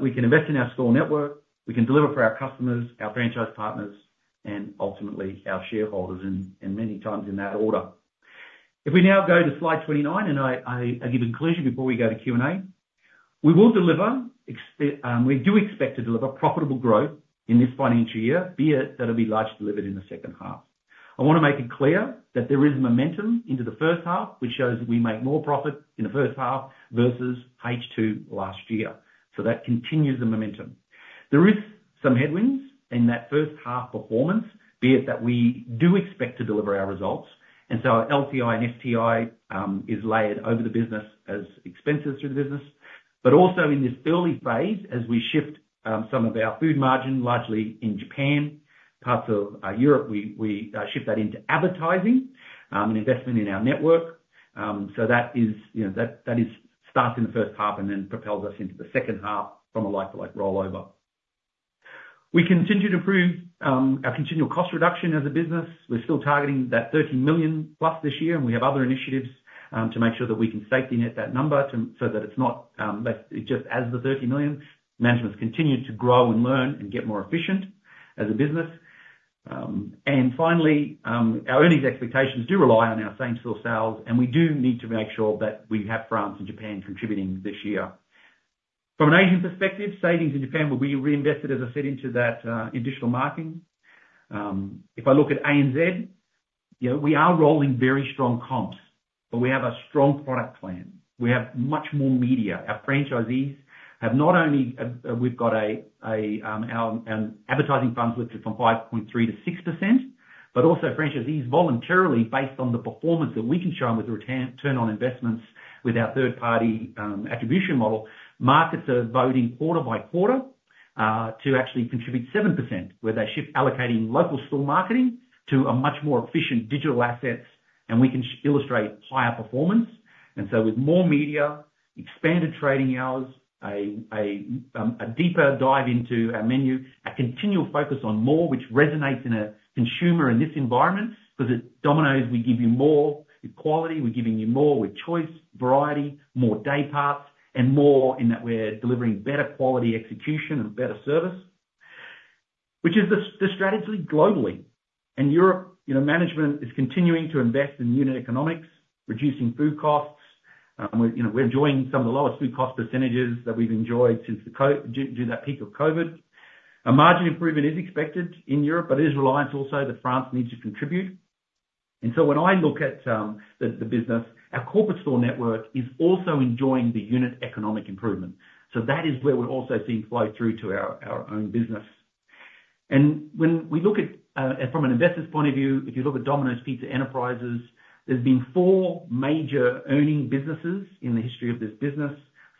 we can invest in our store network. We can deliver for our customers, our franchise partners, and ultimately, our shareholders, and many times in that order. If we now go to slide 29, and I give a conclusion before we go to Q&A. We do expect to deliver profitable growth in this financial year. Be it, that will be largely delivered in the second half. I want to make it clear that there is momentum into the first half, which shows that we make more profit in the first half versus H2 last year, so that continues the momentum. There is some headwinds in that first half performance, be it that we do expect to deliver our results, and so our LTI and STI is layered over the business as expenses through the business. But also in this early phase, as we shift some of our food margin, largely in Japan, parts of Europe, we shift that into advertising and investment in our network. So that is, you know, that starts in the first half and then propels us into the second half from a like-for-like rollover. We continue to improve our continual cost reduction as a business. We're still targeting that 30 million+ this year, and we have other initiatives to make sure that we can safety net that number so that it's not left just as the 30 million. Management's continued to grow and learn and get more efficient as a business. Finally, our earnings expectations do rely on our same-store sales, and we do need to make sure that we have France and Japan contributing this year. From an Asian perspective, savings in Japan will be reinvested, as I said, into that additional marketing. If I look at ANZ, you know, we are rolling very strong comps, but we have a strong product plan. We have much more media. Our franchisees have not only we've got our advertising funds lifted from 5.3% to 6%, but also franchisees voluntarily, based on the performance that we can show them with the return on investments with our third-party attribution model. Markets are opting quarter by quarter to actually contribute 7%, where they shift allocating local store marketing to a much more efficient digital assets, and we can illustrate higher performance. So with more media, expanded trading hours, a deeper dive into our menu, a continual focus on more, which resonates with consumers in this environment, because at Domino's, we give you more with quality, we're giving you more with choice, variety, more day parts, and more, in that we're delivering better quality execution and better service, which is the strategy globally. In Europe, you know, management is continuing to invest in unit economics, reducing food costs, you know, we're enjoying some of the lowest food cost percentages that we've enjoyed since during that peak of COVID. A margin improvement is expected in Europe, but it is reliant also that France needs to contribute. When I look at the business, our corporate store network is also enjoying the unit economic improvement. That is where we're also seeing flow through to our own business. When we look at from an investor's point of view, if you look at Domino's Pizza Enterprises, there's been four major earning businesses in the history of this business.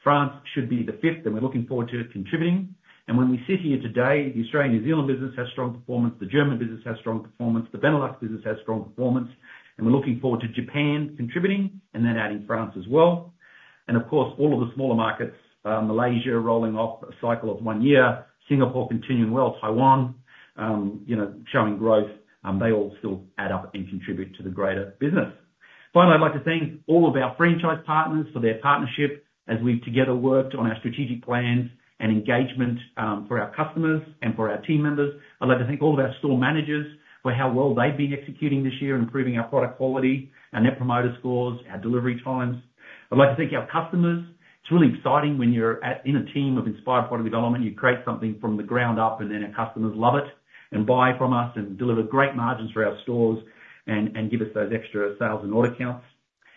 France should be the fifth, and we're looking forward to it contributing. And when we sit here today, the Australian, New Zealand business has strong performance, the German business has strong performance, the Benelux business has strong performance, and we're looking forward to Japan contributing, and then adding France as well. And of course, all of the smaller markets, Malaysia, rolling off a cycle of one year, Singapore continuing well, Taiwan, you know, showing growth, they all still add up and contribute to the greater business. Finally, I'd like to thank all of our franchise partners for their partnership as we've together worked on our strategic plans and engagement, for our customers and for our team members. I'd like to thank all of our store managers for how well they've been executing this year, improving our product quality, our Net Promoter Scores, our delivery times. I'd like to thank our customers. It's really exciting when you're at, in a team of inspired product development, you create something from the ground up, and then our customers love it, and buy from us, and deliver great margins for our stores and give us those extra sales and order counts.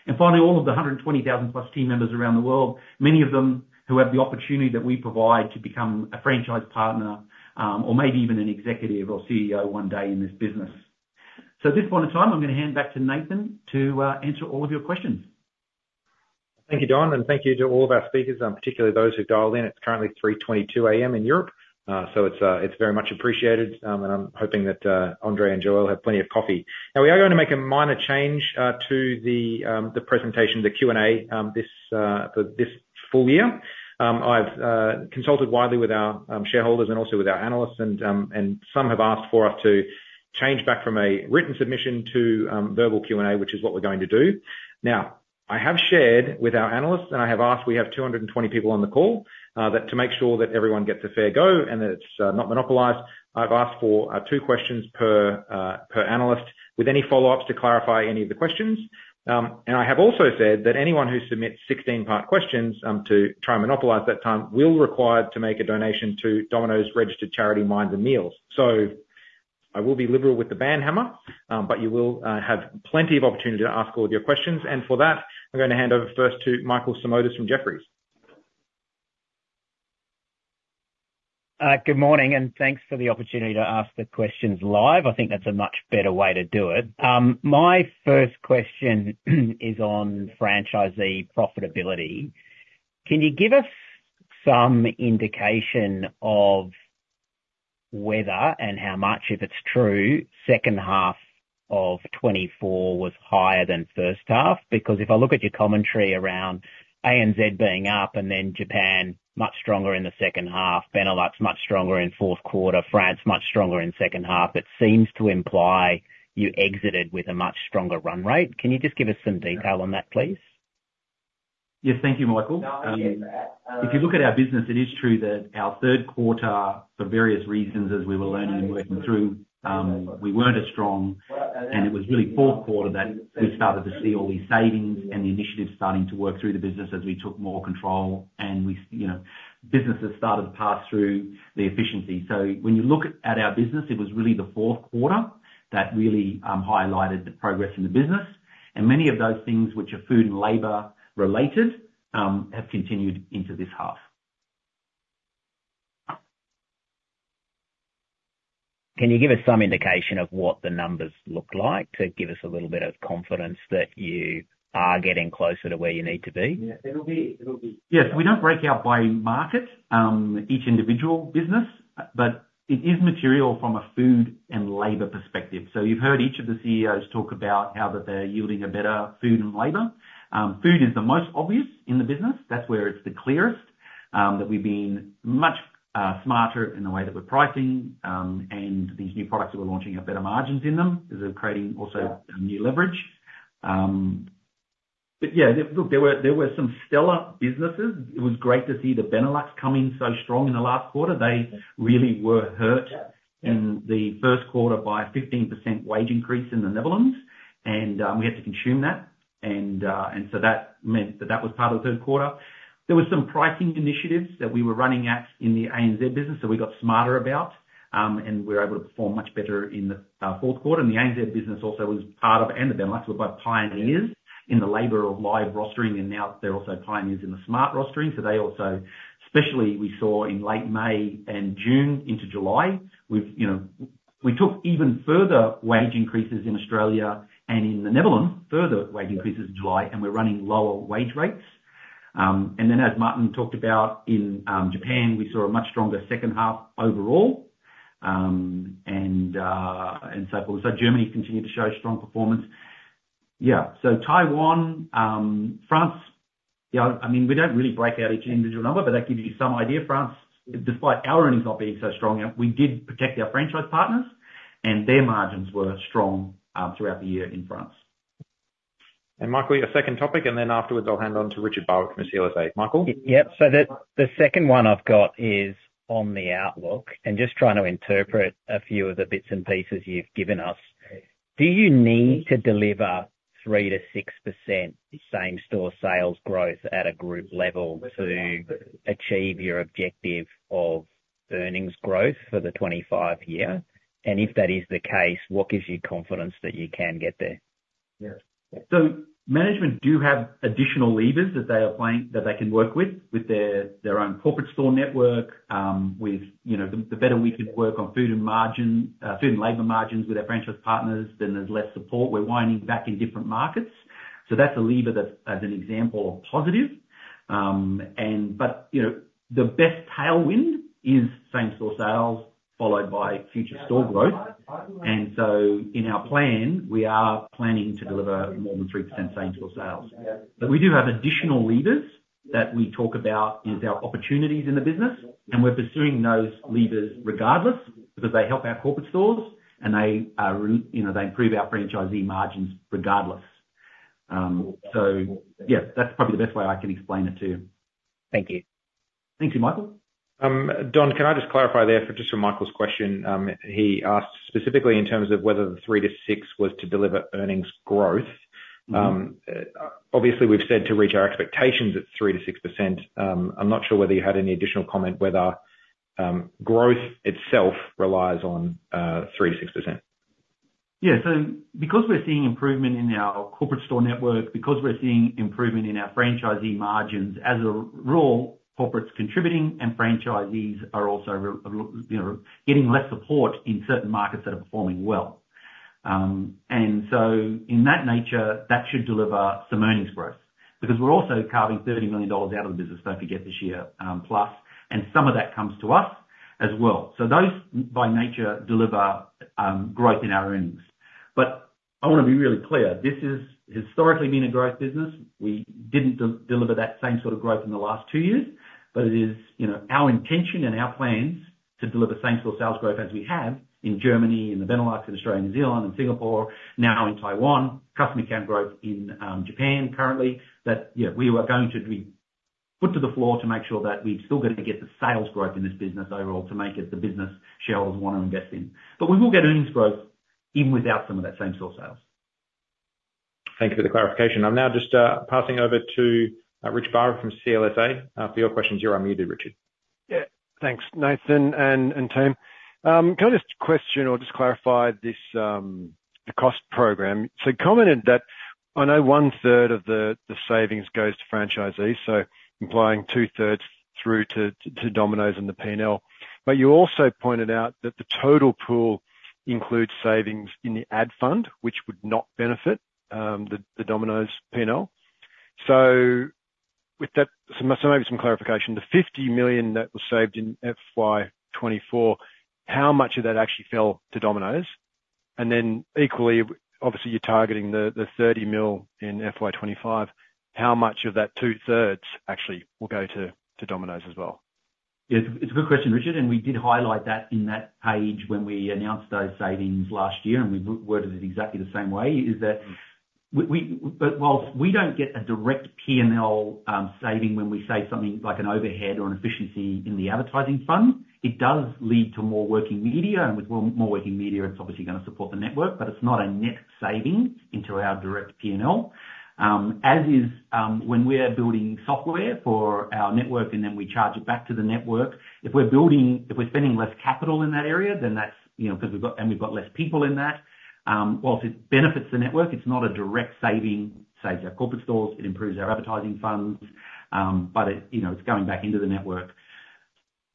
And finally, all of the 120,000+ team members around the world, many of them who have the opportunity that we provide to become a franchise partner, or maybe even an executive or CEO one day in this business. So at this point in time, I'm gonna hand back to Nathan to answer all of your questions. Thank you, Don, and thank you to all of our speakers, particularly those who've dialed in. It's currently 3:22 A.M. in Europe, so it's very much appreciated. And I'm hoping that André and Joël have plenty of coffee. Now, we are going to make a minor change to the presentation, the Q&A, this for this full year. I've consulted widely with our shareholders and also with our analysts, and some have asked for us to change back from a written submission to verbal Q&A, which is what we're going to do. Now, I have shared with our analysts, and I have asked, we have 220 people on the call, that to make sure that everyone gets a fair go and that it's not monopolized, I've asked for two questions per analyst, with any follow-ups to clarify any of the questions, and I have also said that anyone who submits 16-part questions to try and monopolize that time will be required to make a donation to Domino's registered charity, Minds & Meals, so I will be liberal with the ban hammer, but you will have plenty of opportunity to ask all of your questions, and for that, I'm gonna hand over first to Michael Simotas from Jefferies. Good morning, and thanks for the opportunity to ask the questions live. I think that's a much better way to do it. My first question is on franchisee profitability. Can you give us some indication of whether, and how much, if it's true, second half of 2024 was higher than first half? Because if I look at your commentary around ANZ being up, and then Japan much stronger in the second half, Benelux much stronger in fourth quarter, France much stronger in second half, it seems to imply you exited with a much stronger run rate. Can you just give us some detail on that, please? Yes, thank you, Michael. If you look at our business, it is true that our third quarter, for various reasons, as we were learning and working through, we weren't as strong, and it was really fourth quarter that we started to see all these savings and the initiatives starting to work through the business as we took more control, and you know, businesses started to pass through the efficiency. So when you look at our business, it was really the fourth quarter that really highlighted the progress in the business, and many of those things which are food and labor related have continued into this half. Can you give us some indication of what the numbers look like to give us a little bit of confidence that you are getting closer to where you need to be? Yes, we don't break out by market, each individual business, but it is material from a food and labor perspective. So you've heard each of the CEOs talk about how that they're yielding a better food and labor. Food is the most obvious in the business. That's where it's the clearest, that we've been much smarter in the way that we're pricing, and these new products that we're launching have better margins in them, as they're creating also new leverage, but yeah, look, there were some stellar businesses. It was great to see the Benelux come in so strong in the last quarter. They really were hurt in the first quarter by a 15% wage increase in the Netherlands, and we had to consume that, and so that meant that that was part of the third quarter. There were some pricing initiatives that we were running in the ANZ business, that we got smarter about, and we were able to perform much better in the fourth quarter. The ANZ business also was part of, and the Benelux, were both pioneers in the labor of live rostering, and now they're also pioneers in the smart rostering. They also, especially we saw in late May and June into July, we took even further wage increases in Australia and in the Netherlands, further wage increases in July, and we're running lower wage rates. As Martin talked about, in Japan, we saw a much stronger second half overall, and so forth. Germany continued to show strong performance. Yeah, so Taiwan, France, yeah, I mean, we don't really break out each individual number, but that gives you some idea. France, despite our earnings not being so strong, we did protect our franchise partners, and their margins were strong, throughout the year in France. And Michael, your second topic, and then afterwards, I'll hand over to Richard Barwick from CLSA. Michael? Yep, so the second one I've got is on the outlook, and just trying to interpret a few of the bits and pieces you've given us. Do you need to deliver 3%-6% same-store sales growth at a group level to achieve your objective of earnings growth for the 2025 year? And if that is the case, what gives you confidence that you can get there? Yeah. So management do have additional levers that they can work with, with their own corporate store network, with you know, the better we can work on food and margin, food and labor margins with our franchise partners, then there's less support. We're winding back in different markets, so that's a lever that's, as an example, a positive, but you know, the best tailwind is same-store sales, followed by future store growth, so in our plan, we are planning to deliver more than 3% same-store sales, but we do have additional levers that we talk about, is our opportunities in the business, and we're pursuing those levers regardless, because they help our corporate stores, and they you know, they improve our franchisee margins regardless. So yeah, that's probably the best way I can explain it to you. Thank you. Thank you, Michael. Don, can I just clarify there? Just from Michael's question, he asked specifically in terms of whether the 3%-6% was to deliver earnings growth. Mm-hmm. Obviously, we've said to reach our expectations, it's 3%-6%. I'm not sure whether you had any additional comment whether growth itself relies on 3%-6%. Yeah, so because we're seeing improvement in our corporate store network, because we're seeing improvement in our franchisee margins, as a rule, corporates contributing and franchisees are also, you know, getting less support in certain markets that are performing well, and so in that nature, that should deliver some earnings growth, because we're also carving 30 million dollars out of the business, don't forget, this year, plus, and some of that comes to us as well. So those, by nature, deliver growth in our earnings. But I wanna be really clear, this has historically been a growth business. We didn't deliver that same sort of growth in the last two years, but it is, you know, our intention and our plans to deliver same-store sales growth as we have in Germany, in the Benelux, and Australia, New Zealand and Singapore, now in Taiwan, customer count growth in Japan currently, that, you know, we are going to be foot to the floor to make sure that we've still gonna get the sales growth in this business overall, to make it the business shareholders want to invest in. But we will get earnings growth even without some of that same-store sales. Thank you for the clarification. I'm now just passing over to Richard Barwick from CLSA for your questions. You're unmuted, Richard. Yeah. Thanks, Nathan and team. Can I just question or just clarify this, the cost program? So you commented that, you know, 1/3 of the savings goes to franchisees, so implying 2/3 through to Domino's in the P&L. But you also pointed out that the total pool includes savings in the ad fund, which would not benefit the Domino's P&L. So with that, maybe some clarification, the 50 million that was saved in FY 2024, how much of that actually fell to Domino's? And then equally, obviously, you're targeting the 30 million in FY 2025. How much of that 2/3 actually will go to Domino's as well? Yeah, it's a good question, Richard, and we did highlight that in that page when we announced those savings last year, and we worded it exactly the same way. But while we don't get a direct P&L saving when we save something like an overhead or an efficiency in the advertising fund, it does lead to more working media, and with more working media, it's obviously gonna support the network, but it's not a net saving into our direct P&L. As is, when we are building software for our network, and then we charge it back to the network, if we're spending less capital in that area, then that's, you know, 'cause we've got less people in that, whilst it benefits the network, it's not a direct saving, saves our corporate stores, it improves our advertising funds, but it, you know, it's going back into the network.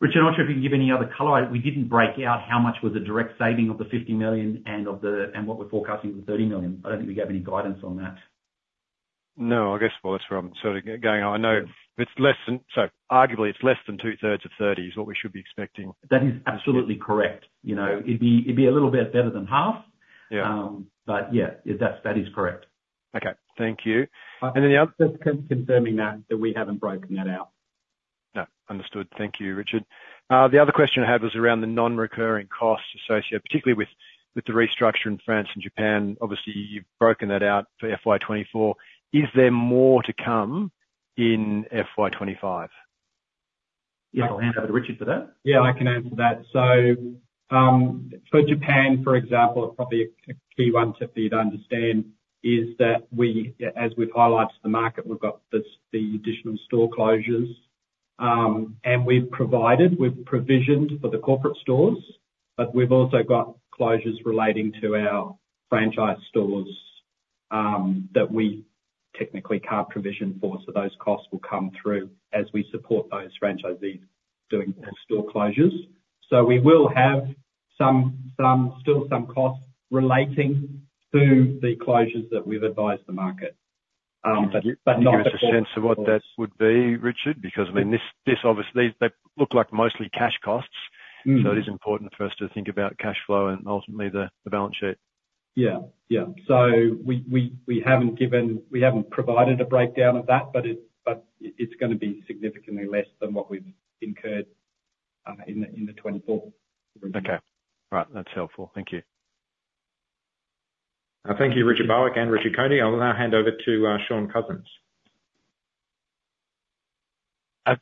Richard, I'm not sure if you can give any other color. We didn't break out how much was a direct saving of the 50 million and of what we're forecasting for the 30 million. I don't think we gave any guidance on that. No, I guess, well, that's where I'm sort of going. I know it's less than... So arguably, it's less than 2/3 of 30 is what we should be expecting. That is absolutely correct. You know, it'd be, it'd be a little bit better than half. Yeah. But yeah, that is correct. Okay, thank you. And then the other. Just confirming that we haven't broken that out? Yeah, understood. Thank you, Richard. The other question I had was around the non-recurring costs associated, particularly with the restructure in France and Japan. Obviously, you've broken that out for FY 2024. Is there more to come in FY 2025? Yeah, I'll hand over to Richard for that. Yeah, I can answer that. So, for Japan, for example, probably a key one tip for you to understand is that we, as we've highlighted to the market, we've got this, the additional store closures. And we've provided, we've provisioned for the corporate stores, but we've also got closures relating to our franchise stores that we technically can't provision for, so those costs will come through as we support those franchisees doing those store closures. So we will have still some costs relating to the closures that we've advised the market. But not. Can you give us a sense of what that would be, Richard? Because, I mean, this obviously, they look like mostly cash costs. Mm. So it is important for us to think about cash flow and ultimately the balance sheet. Yeah. We haven't provided a breakdown of that, but it's gonna be significantly less than what we've incurred in 2024. Okay. Right. That's helpful. Thank you. Thank you, Richard Barwick and Richard Coney. I will now hand over to Shaun Cousins.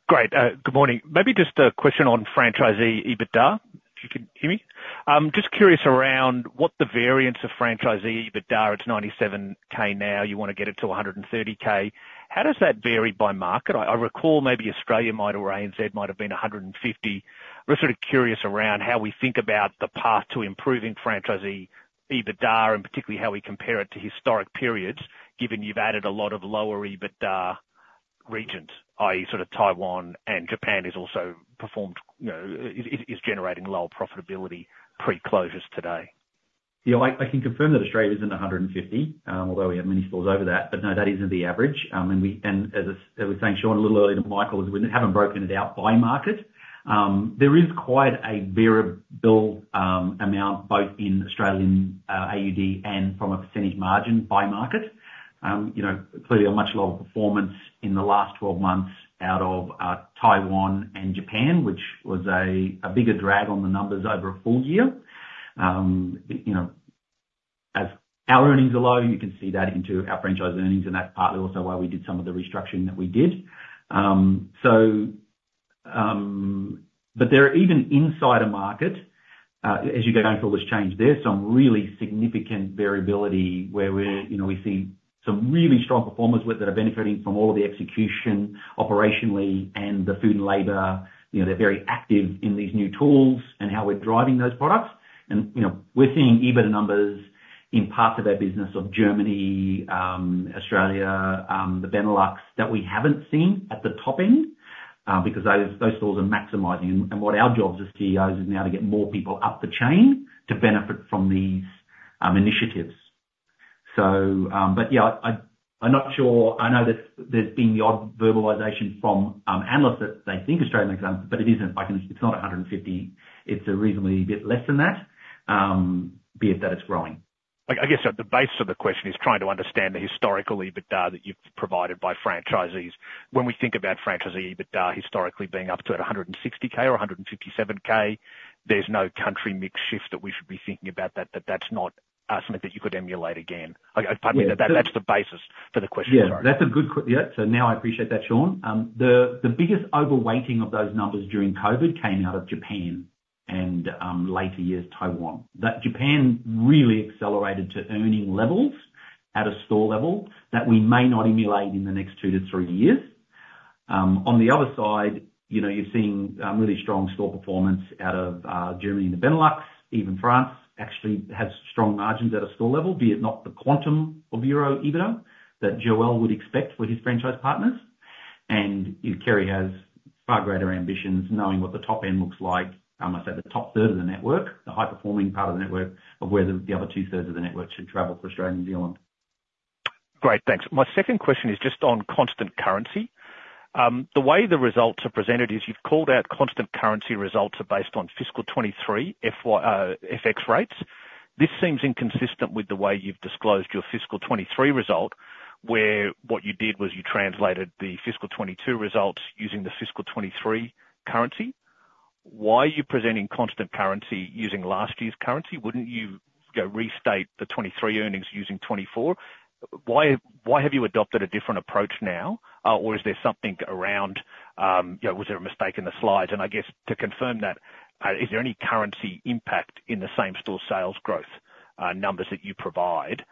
Good morning. Maybe just a question on franchisee EBITDA, if you can hear me? I'm just curious around what the variance of franchisee EBITDA. It's 97,000 now. You wanna get it to 130,000. How does that vary by market? I recall maybe Australia might, or ANZ, might have been 150. We're sort of curious around how we think about the path to improving franchisee EBITDA, and particularly how we compare it to historic periods, given you've added a lot of lower EBITDA regions, i.e., sort of Taiwan, and Japan has also performed, you know, it is generating lower profitability pre-closures today. Yeah, I can confirm that Australia is in 150, although we have many stores over that, but no, that isn't the average. And as I was saying, Shaun, a little earlier to Michael, is we haven't broken it out by market. There is quite a variable amount both in Australian AUD and from a percentage margin by market. You know, clearly a much lower performance in the last 12 months out of Taiwan and Japan, which was a bigger drag on the numbers over a full year. You know, as our earnings are low, you can see that into our franchise earnings, and that's partly also why we did some of the restructuring that we did. So. But there are even inside a market, as you go down through all this change, there's some really significant variability where we're, you know, we see some really strong performers that are benefiting from all of the execution operationally and the food and labor, you know, they're very active in these new tools and how we're driving those products. And, you know, we're seeing EBITDA numbers in parts of our business of Germany, Australia, the Benelux, that we haven't seen at the top end, because those stores are maximizing. And what our job as CEOs is now to get more people up the chain to benefit from these initiatives. So, but yeah, I'm not sure. I know there's been the odd verbalization from analysts that they think Australian, but it isn't. It's not 150, it's a reasonable bit less than that, be it that it's growing. Like, I guess at the basis of the question is trying to understand the historical EBITDA that you've provided by franchisees. When we think about franchisee EBITDA historically being up to 160,000 or 157,000, there's no country mix shift that we should be thinking about, that, that's not something that you could emulate again. Okay, pardon me, that's the basis for the question. Yeah, that's a good question. Yeah, so now I appreciate that, Shaun. The biggest overweighting of those numbers during COVID came out of Japan and later years, Taiwan. That Japan really accelerated to earning levels at a store level that we may not emulate in the next two to three years. On the other side, you know, you're seeing really strong store performance out of Germany and the Benelux. Even France actually has strong margins at a store level, be it not the quantum of euro EBITDA that Joël would expect for his franchise partners. And Kerri has far greater ambitions knowing what the top end looks like. I must say the top third of the network, the high-performing part of the network, of where the other 2/3 of the network should travel for Australia and New Zealand. Great, thanks. My second question is just on constant currency. The way the results are presented is you've called out constant currency results are based on fiscal 2023 FY-- FX rates. This seems inconsistent with the way you've disclosed your fiscal 2023 result, where what you did was you translated the fiscal 2022 results using the fiscal 2023 currency. Why are you presenting constant currency using last year's currency? Wouldn't you, you know, restate the 2023 earnings using 2024? Why, why have you adopted a different approach now? Or is there something around, you know, was there a mistake in the slides? And I guess to confirm that, is there any currency impact in the same-store sales growth numbers that you provide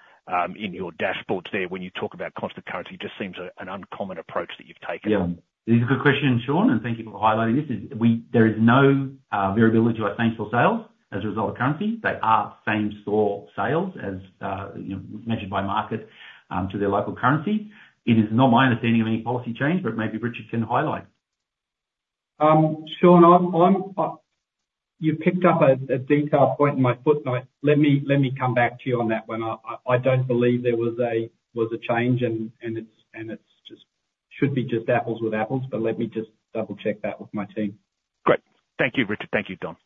in your dashboards there when you talk about constant currency? Just seems an uncommon approach that you've taken. Yeah. It's a good question, Shaun, and thank you for highlighting this. There is no variability to our same-store sales as a result of currency. They are same-store sales as, you know, measured by market to their local currency. It is not my understanding of any policy change, but maybe Richard can highlight. Shaun, I'm... You picked up a detailed point in my footnote. Let me come back to you on that one. I don't believe there was a change, and it's just should be just apples with apples, but let me just double-check that with my team. Great. Thank you, Richard. Thank you, Don.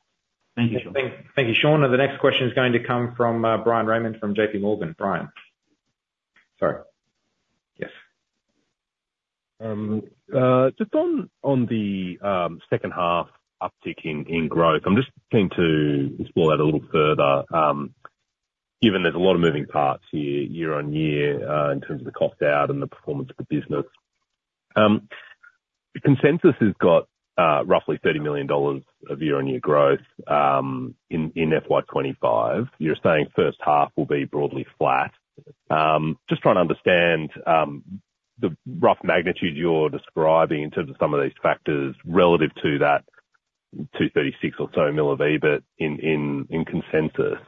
Thank you, Shaun. Thank you, Shaun. The next question is going to come from Bryan Raymond from JPMorgan. Bryan. Sorry. Yes. Just on the second half uptick in growth, I'm just keen to explore that a little further, given there's a lot of moving parts here year-on-year, in terms of the cost out and the performance of the business. The consensus has got roughly 30 million dollars of year-on-year growth in FY 2025. You're saying first half will be broadly flat. Just trying to understand the rough magnitude you're describing in terms of some of these factors relative to that 236 or so million of EBIT in consensus.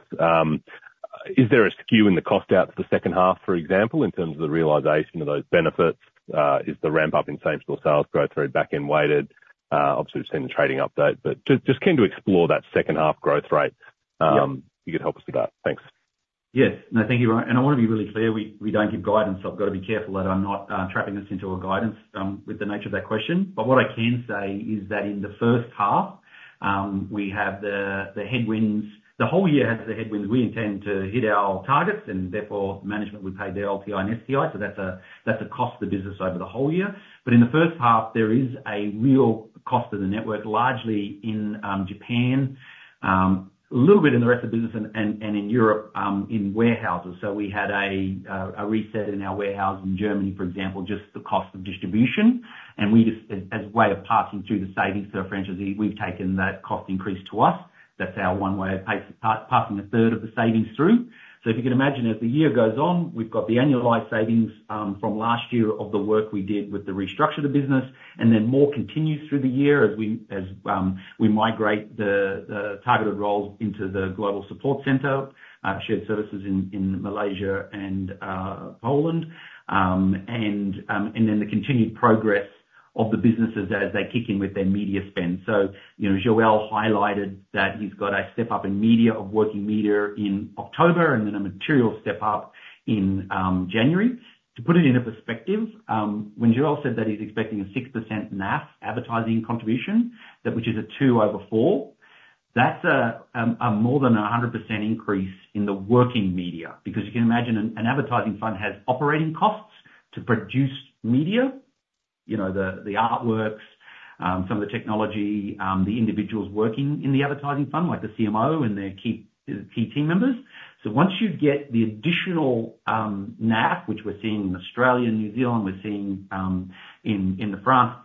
Is there a skew in the cost out for the second half, for example, in terms of the realization of those benefits? Is the ramp up in same-store sales growth very back-end weighted? Obviously, we've seen the trading update, but just keen to explore that second half growth rate. Yeah. If you could help us with that. Thanks. Yes. No, thank you, Bryan, and I wanna be really clear, we don't give guidance, so I've gotta be careful that I'm not trapping us into a guidance with the nature of that question, but what I can say is that in the first half, we have the headwinds, the whole year has the headwinds. We intend to hit our targets, and therefore, management will pay their LTI and STI, so that's a cost to business over the whole year, but in the first half, there is a real cost to the network, largely in Japan, a little bit in the rest of the business and in Europe, in warehouses, so we had a reset in our warehouse in Germany, for example, just the cost of distribution. We just as a way of passing through the savings to our franchisee, we've taken that cost increase to us. That's our one way of passing 1/3 of the savings through. So if you can imagine, as the year goes on, we've got the annualized savings from last year of the work we did with the restructure of the business, and then more continues through the year as we migrate the targeted roles into the global support center shared services in Malaysia and Poland. And then the continued progress of the businesses as they kick in with their media spend. So, you know, Joël highlighted that he's got a step-up in media, of working media in October, and then a material step up in January. To put it into perspective, when Joël said that he's expecting a 6% NAF advertising contribution, that which is a two over four, that's a more than 100% increase in the working media. Because you can imagine an advertising fund has operating costs to produce media, you know, the artworks, some of the technology, the individuals working in the advertising fund, like the CMO and their key team members. So once you get the additional NAF, which we're seeing in Australia and New Zealand, we're seeing in the France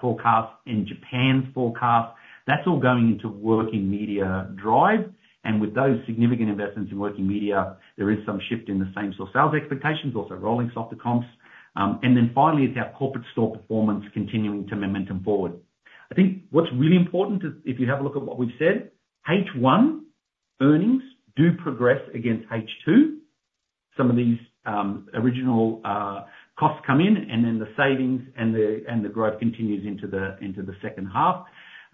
forecast, in Japan's forecast, that's all going into working media drive. And with those significant investments in working media, there is some shift in the same store sales expectations, also rolling softer comps. And then finally, it's our corporate store performance continuing to momentum forward. I think what's really important is, if you have a look at what we've said, H1 earnings do progress against H2. Some of these original costs come in, and then the savings and the, and the growth continues into the, into the second half.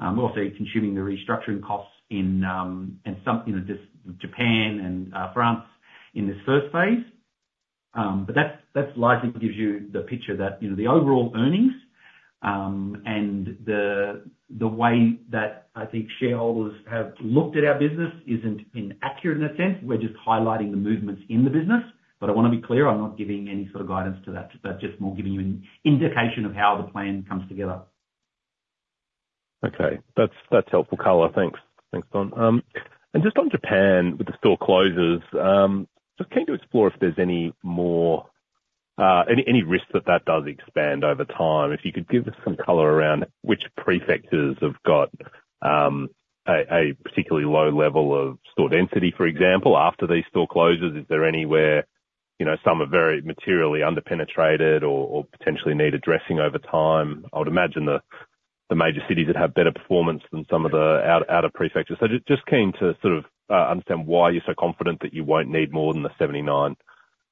Also consuming the restructuring costs in, in some, you know, just Japan and France in this first phase. But that's, that's likely gives you the picture that, you know, the overall earnings, and the, the way that I think shareholders have looked at our business isn't inaccurate in a sense. We're just highlighting the movements in the business. But I wanna be clear, I'm not giving any sort of guidance to that, but just more giving you an indication of how the plan comes together. Okay. That's, that's helpful color. Thanks. Thanks, Don. And just on Japan, with the store closures, just keen to explore if there's any more, any risk that does expand over time. If you could give us some color around which prefectures have got a particularly low level of store density, for example, after these store closures, is there anywhere, you know, some are very materially under-penetrated or potentially need addressing over time? I would imagine the major cities that have better performance than some of the out of prefecture. So just keen to sort of understand why you're so confident that you won't need more than the 79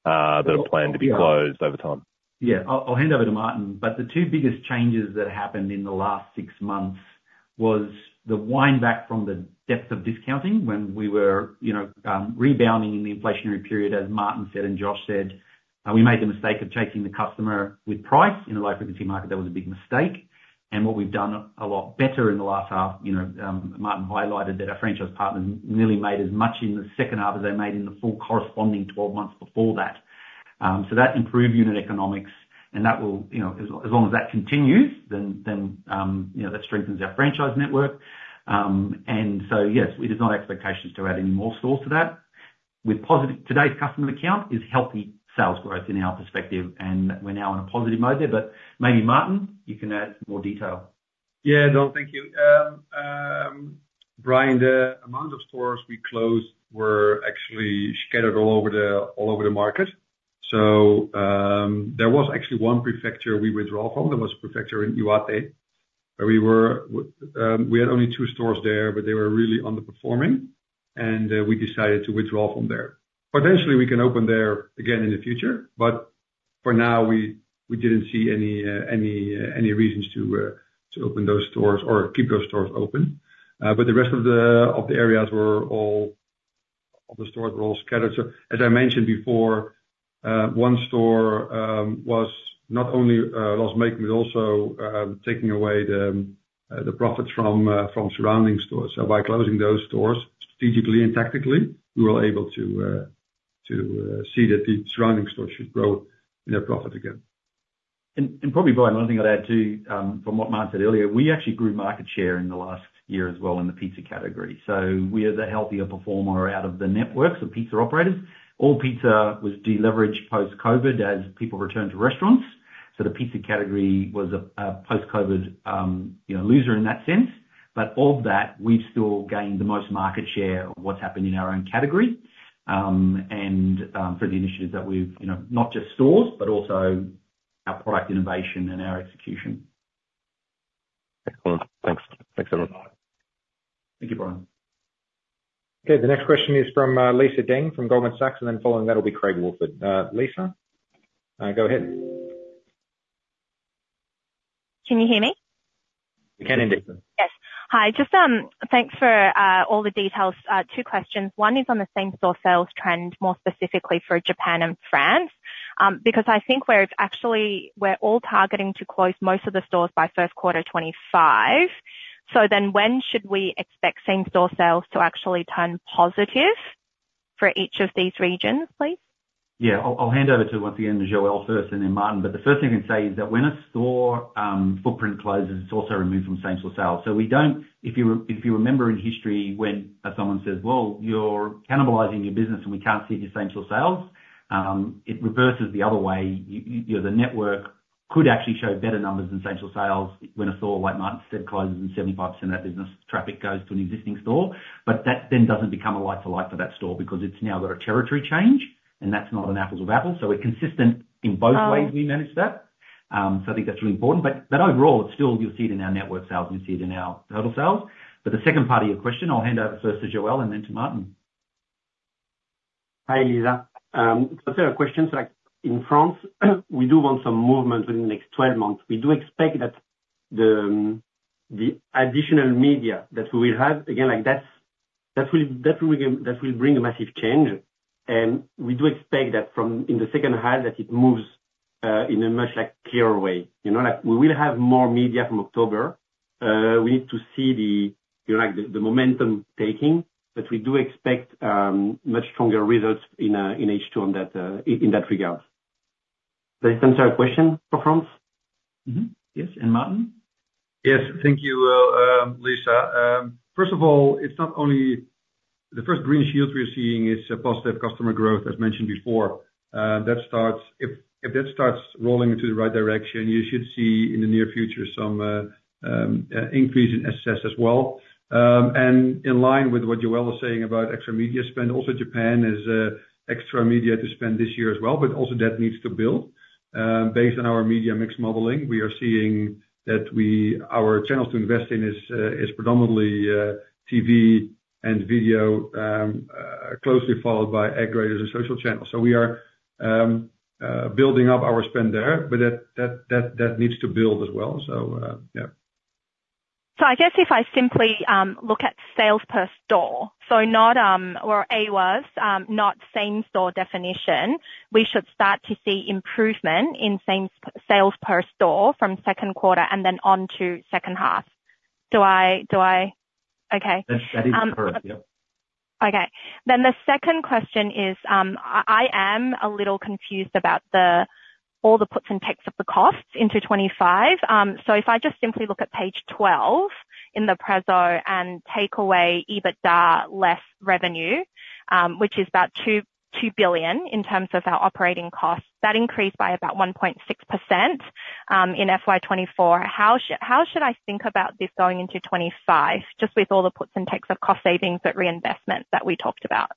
that are planned to be closed over time. Yeah. I'll hand over to Martin, but the two biggest changes that happened in the last six months was the wind back from the depth of discounting, when we were, you know, rebounding in the inflationary period, as Martin said, and Josh said, we made the mistake of taking the customer with price. In a low-frequency market, that was a big mistake. And what we've done a lot better in the last half, you know, Martin highlighted that our franchise partners nearly made as much in the second half as they made in the full corresponding 12 months before that. So that improved unit economics, and that will, you know, as long as that continues, then that strengthens our franchise network. And so, yes, it is not expectations to add any more stores to that. With positive, today's customer count is healthy, sales growth in our perspective, and we're now in a positive mode there, but maybe Martin, you can add more detail. Yeah, Don, thank you. Bryan, the amount of stores we closed were actually scattered all over the market. So, there was actually one prefecture we withdraw from, there was a prefecture in Iwate, where we had only two stores there, but they were really underperforming, and we decided to withdraw from there. Potentially, we can open there again in the future, but for now, we didn't see any reasons to open those stores or keep those stores open. But the rest of the areas were all. Of the stores were all scattered. So as I mentioned before, one store was not only loss-making, but also taking away the profit from surrounding stores. So by closing those stores, strategically and tactically, we were able to see that the surrounding stores should grow in their profit again. .And probably, Brian, one thing I'd add, too, from what Martin said earlier, we actually grew market share in the last year as well in the pizza category. So we are the healthier performer out of the networks of pizza operators. All pizza was de-leveraged post-COVID as people returned to restaurants, so the pizza category was a post-COVID loser in that sense. But of that, we've still gained the most market share of what's happened in our own category. And for the initiatives that we've you know, not just stores, but also our product innovation and our execution. Excellent. Thanks. Thanks, everyone. Thank you, Bryan. Okay, the next question is from Lisa Deng from Goldman Sachs, and then following that will be Craig Woolford. Lisa, go ahead. Can you hear me? We can indeed. Yes. Hi, just, thanks for all the details. Two questions. One is on the same-store sales trend, more specifically for Japan and France. Because I think we're all targeting to close most of the stores by first quarter 2025, so then when should we expect same-store sales to actually turn positive for each of these regions, please? Yeah. I'll hand over to, once again, Joël first and then Martin. But the first thing I can say is that when a store footprint closes, it's also removed from same-store sales. So we don't... If you remember in history when, as someone says, "Well, you're cannibalizing your business and we can't see it in your same-store sales," it reverses the other way. You know, the network could actually show better numbers in same-store sales when a store, like Martin said, closes and 75% of that business traffic goes to an existing store. But that then doesn't become a like for like for that store, because it's now got a territory change, and that's not an apples with apples. So we're consistent in both ways. Um. We manage that. So I think that's really important. But overall, it's still, you'll see it in our network sales, you'll see it in our total sales. But the second part of your question, I'll hand over first to Joël and then to Martin. Hi, Lisa. The second question's like, in France, we do want some movement within the next 12 months. We do expect that the additional media that we will have, again, like, that's, that will bring a massive change. And we do expect that from, in the second half, that it moves in a much, like, clearer way. You know, like, we will have more media from October. We need to see the, you know, like, the momentum taking, but we do expect much stronger results in H2 on that, in that regard. Does that answer your question for France? Mm-hmm. Yes, and Martin? Yes. Thank you, Lisa. First of all, it's not only... The first green shoot we're seeing is a positive customer growth, as mentioned before. That starts if that starts rolling into the right direction, you should see, in the near future, some increase in SS as well. And in line with what Joël is saying about extra media spend, also Japan has extra media to spend this year as well, but also that needs to build. Based on our media mix modeling, we are seeing that our channels to invest in is predominantly TV and video, closely followed by aggregators and social channels. So we are building up our spend there, but that needs to build as well. So, yeah. I guess if I simply look at sales per store, so not or AWUS, not same store definition, we should start to see improvement in same sales per store from second quarter and then on to second half. Do I, do I? Okay. That is correct, yep. Okay. Then the second question is, I am a little confused about all the puts and takes of the costs into 2025. So if I just simply look at page 12 in the preso and take away EBITDA less revenue, which is about 2 billion in terms of our operating costs, that increased by about 1.6% in FY 2024. How should I think about this going into 2025, just with all the puts and takes of cost savings, but reinvestment that we talked about?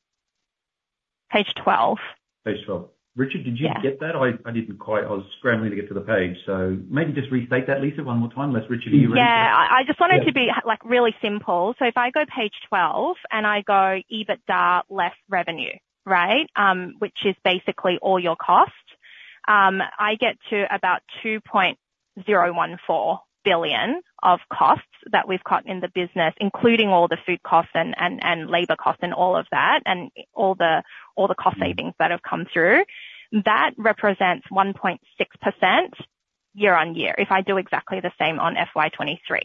Page 12. Page 12. Richard. Yeah. Did you get that? I didn't quite. I was scrambling to get to the page, so maybe just restate that, Lisa, one more time, unless Richard, are you with me? Yeah. Yeah. I just want it to be, like, really simple. So if I go page 12, and I go EBITDA less revenue, right? Which is basically all your costs. I get to about 2.014 billion of costs that we've cut in the business, including all the food costs and labor costs, and all of that, and all the cost savings that have come through. That represents 1.6% year on year, if I do exactly the same on FY 2023.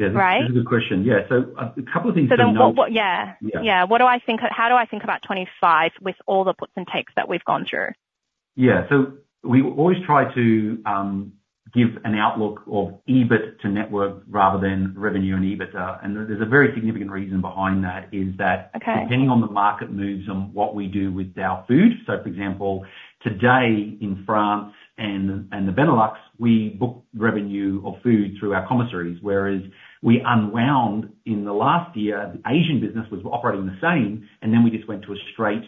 Yeah. Right? That's a good question. Yeah. So, a couple of things to note. So what... Yeah. Yeah. Yeah. What do I think, how do I think about 2025 with all the puts and takes that we've gone through? Yeah. So we always try to give an outlook of EBIT to network rather than revenue and EBITDA, and there's a very significant reason behind that, is that- Okay Depending on the market moves and what we do with our food, so for example, today in France and the Benelux, we book revenue or food through our commissaries. Whereas we unwound in the last year, the Asian business was operating the same, and then we just went to a straight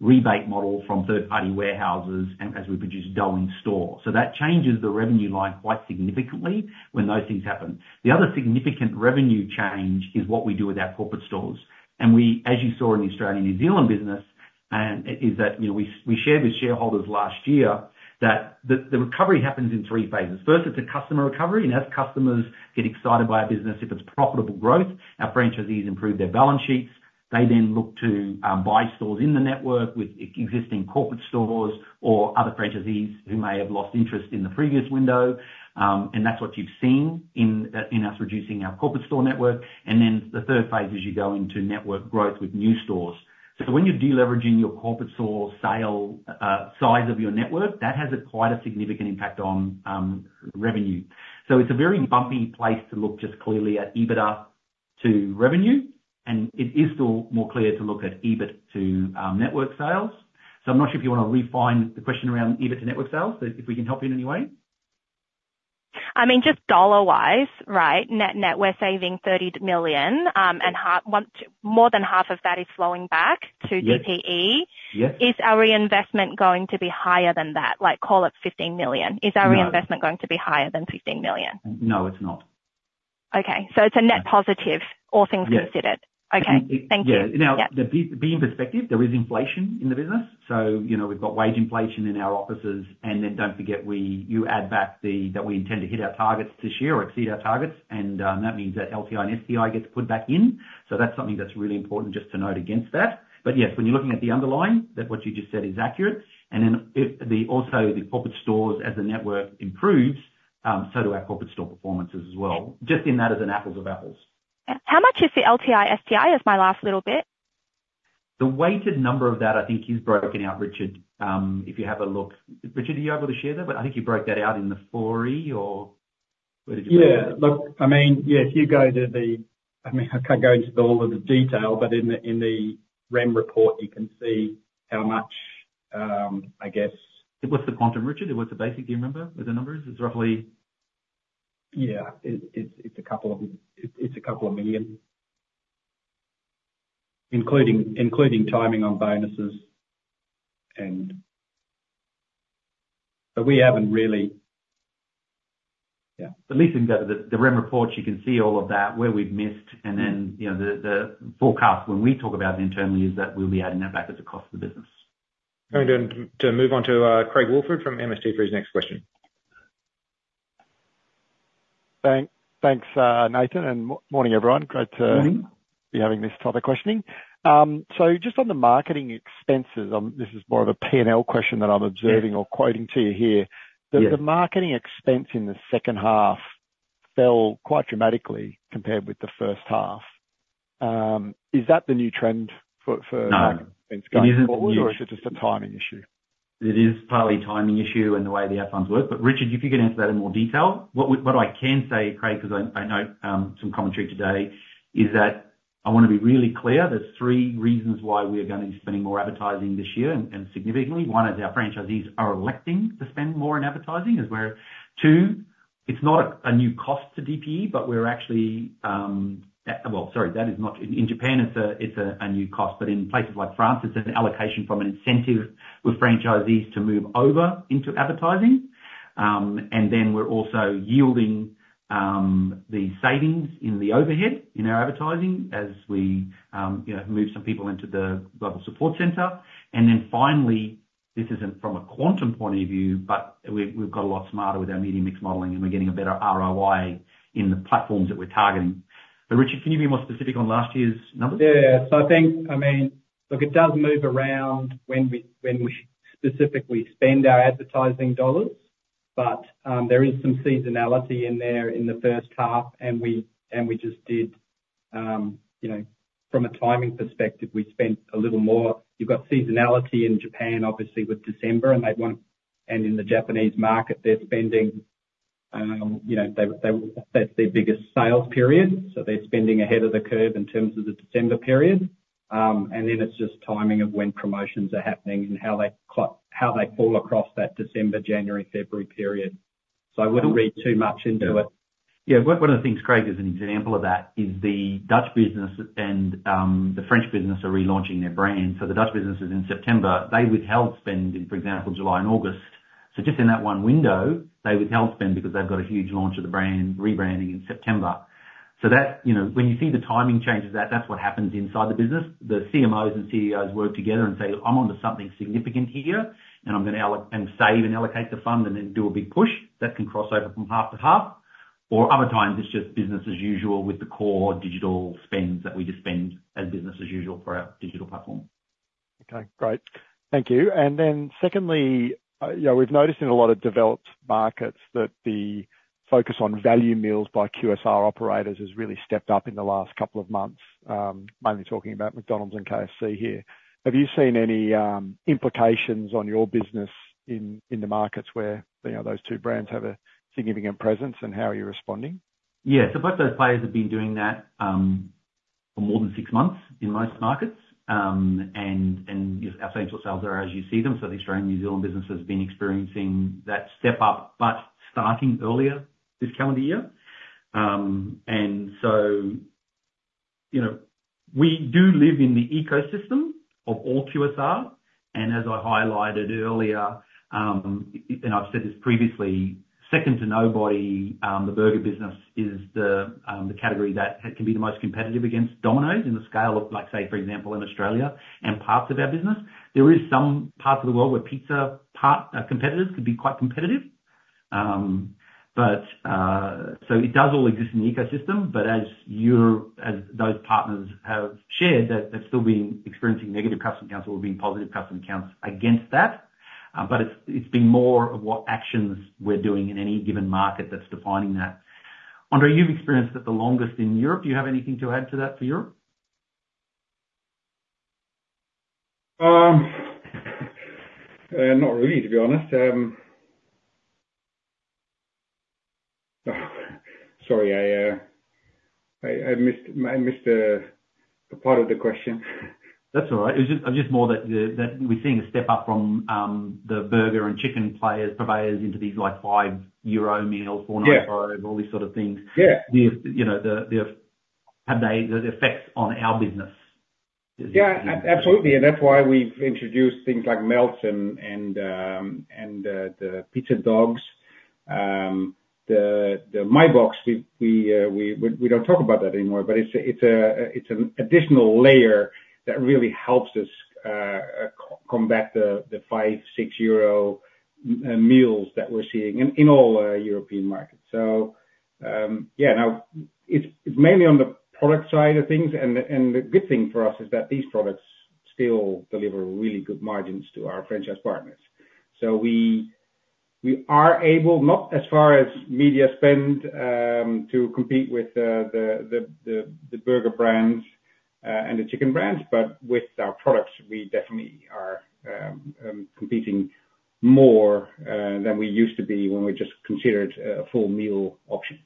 rebate model from third-party warehouses and as we produce dough in store. So that changes the revenue line quite significantly when those things happen. The other significant revenue change is what we do with our corporate stores. And we, as you saw in the Australia, New Zealand business, and it is that, you know, we shared with shareholders last year, that the recovery happens in three phases. First, it is a customer recovery, and as customers get excited by our business, if it is profitable growth, our franchisees improve their balance sheets. They then look to buy stores in the network with existing corporate stores or other franchisees who may have lost interest in the previous window, and that's what you've seen in us reducing our corporate store network, and then the third phase is you go into network growth with new stores. So when you're de-leveraging your corporate store sale size of your network, that has a quite significant impact on revenue. So it's a very bumpy place to look just clearly at EBITDA to revenue, and it is still more clear to look at EBIT to network sales. So I'm not sure if you wanna refine the question around EBIT to network sales, so if we can help you in any way? I mean, just dollar-wise, right? Net, net, we're saving 30 million, and more than half of that is flowing back to DPE. Yes. Is our reinvestment going to be higher than that? Like, call it 15 million. No. Is our reinvestment going to be higher than 15 million? No, it's not. Okay, so it's a net positive? Yeah. All things considered? Yeah. Okay. Thank you. Yeah. Now, the big picture perspective, there is inflation in the business. So, you know, we've got wage inflation in our offices, and then don't forget, you add back the fact that we intend to hit our targets this year or exceed our targets, and that means that LTI and STI get put back in. So that's something that's really important just to note against that. But yes, when you're looking at the underlying, that what you just said is accurate. And then also, the corporate stores as the network improves, so do our corporate store performances as well, just in that as an apples to apples. How much is the LTI, STI? As my last little bit. The weighted number of that, I think you've broken out, Richard, if you have a look. Richard, are you able to share that? I think you broke that out in the 4E or where did you? Yeah. Look, I mean, yes, if you go to the... I mean, I can't go into all of the detail, but in the REM report, you can see how much, I guess. It was the quantum, Richard? It was the basic. Do you remember the numbers? It's roughly? Yeah, it's a couple of million. Including timing on bonuses and... But we haven't really... Yeah. At least in the REM reports, you can see all of that, where we've missed, and then, you know, the forecast when we talk about internally is that we'll be adding that back at the cost of the business. Going to move on to Craig Woolford from MST for his next question. Thanks, thanks, Nathan, and morning, everyone. Great to. Morning Be having this type of questioning. So just on the marketing expenses, this is more of a P&L question that I'm observing. Yeah Or quoting to you here. Yeah. The marketing expense in the second half fell quite dramatically compared with the first half. Is that the new trend for, for. No. Or is it just a timing issue? It is partly a timing issue and the way the outcomes work. But Richard, if you could answer that in more detail. What I can say, Craig, 'cause I note some commentary today, is that I want to be really clear: there's three reasons why we're gonna be spending more advertising this year, and significantly. One is our franchisees are electing to spend more in advertising. Two, it's not a new cost to DPE, but we're actually, well, sorry, that is not—in Japan, it's a new cost, but in places like France, it's an allocation from an incentive with franchisees to move over into advertising. And then we're also yielding the savings in the overhead in our advertising as we, you know, move some people into the global support center. Then finally, this isn't from a quantum point of view, but we've got a lot smarter with our Media Mix Modeling, and we're getting a better ROI in the platforms that we're targeting. So, Richard, can you be more specific on last year's numbers? Yeah, so I think, I mean, look, it does move around when we specifically spend our advertising dollars, but there is some seasonality in there in the first half, and we just did, you know, from a timing perspective, we spent a little more. You've got seasonality in Japan, obviously, with December, and in the Japanese market, they're spending, you know, that's their biggest sales period, so they're spending ahead of the curve in terms of the December period. And then it's just timing of when promotions are happening and how they fall across that December, January, February period. So I wouldn't read too much into it. Yeah. One of the things, Craig, as an example of that, is the Dutch business and the French business are relaunching their brand. So the Dutch business is in September. They withheld spend in, for example, July and August. So just in that one window, they withheld spend because they've got a huge launch of the brand, rebranding in September. So that, you know, when you see the timing changes, that's what happens inside the business. The CMOs and CEOs work together and say, "I'm onto something significant here, and I'm gonna allocate and save and allocate the fund and then do a big push." That can cross over from half to half, or other times, it's just business as usual with the core digital spends that we just spend as business as usual for our digital platform. Okay, great. Thank you. And then secondly, you know, we've noticed in a lot of developed markets that the focus on value meals by QSR operators has really stepped up in the last couple of months, mainly talking about McDonald's and KFC here. Have you seen any implications on your business in the markets where, you know, those two brands have a significant presence, and how are you responding? Yeah. So both those players have been doing that for more than six months in most markets. And our same store sales are as you see them, so the Australian and New Zealand business has been experiencing that step up, but starting earlier this calendar year. And so, you know, we do live in the ecosystem of all QSR, and as I highlighted earlier, and I've said this previously, second to nobody, the burger business is the category that can be the most competitive against Domino's in the scale of, like, say, for example, in Australia and parts of our business. There is some parts of the world where pizza part, competitors can be quite competitive. It does all exist in the ecosystem, but as those partners have shared, they're still experiencing negative customer counts or being positive customer counts against that. But it's been more of what actions we're doing in any given market that's defining that. André, you've experienced it the longest in Europe. Do you have anything to add to that for Europe? Not really, to be honest. Sorry, I missed a part of the question. That's all right. I'm just more that we're seeing a step up from the burger and chicken players, purveyors into these, like, five euro meals, four. Yeah. All these sort of things. Yeah. You know, have they the effect on our business? Yeah, absolutely, and that's why we've introduced things like Melts and the Pizza Dogs. The My Box, we don't talk about that anymore, but it's an additional layer that really helps us combat the 5-6 euro meals that we're seeing in all European markets. So, yeah, now it's mainly on the product side of things, and the good thing for us is that these products still deliver really good margins to our franchise partners. We are able, not as far as media spend, to compete with the burger brands and the chicken brands, but with our products, we definitely are competing more than we used to be when we just considered a full meal option.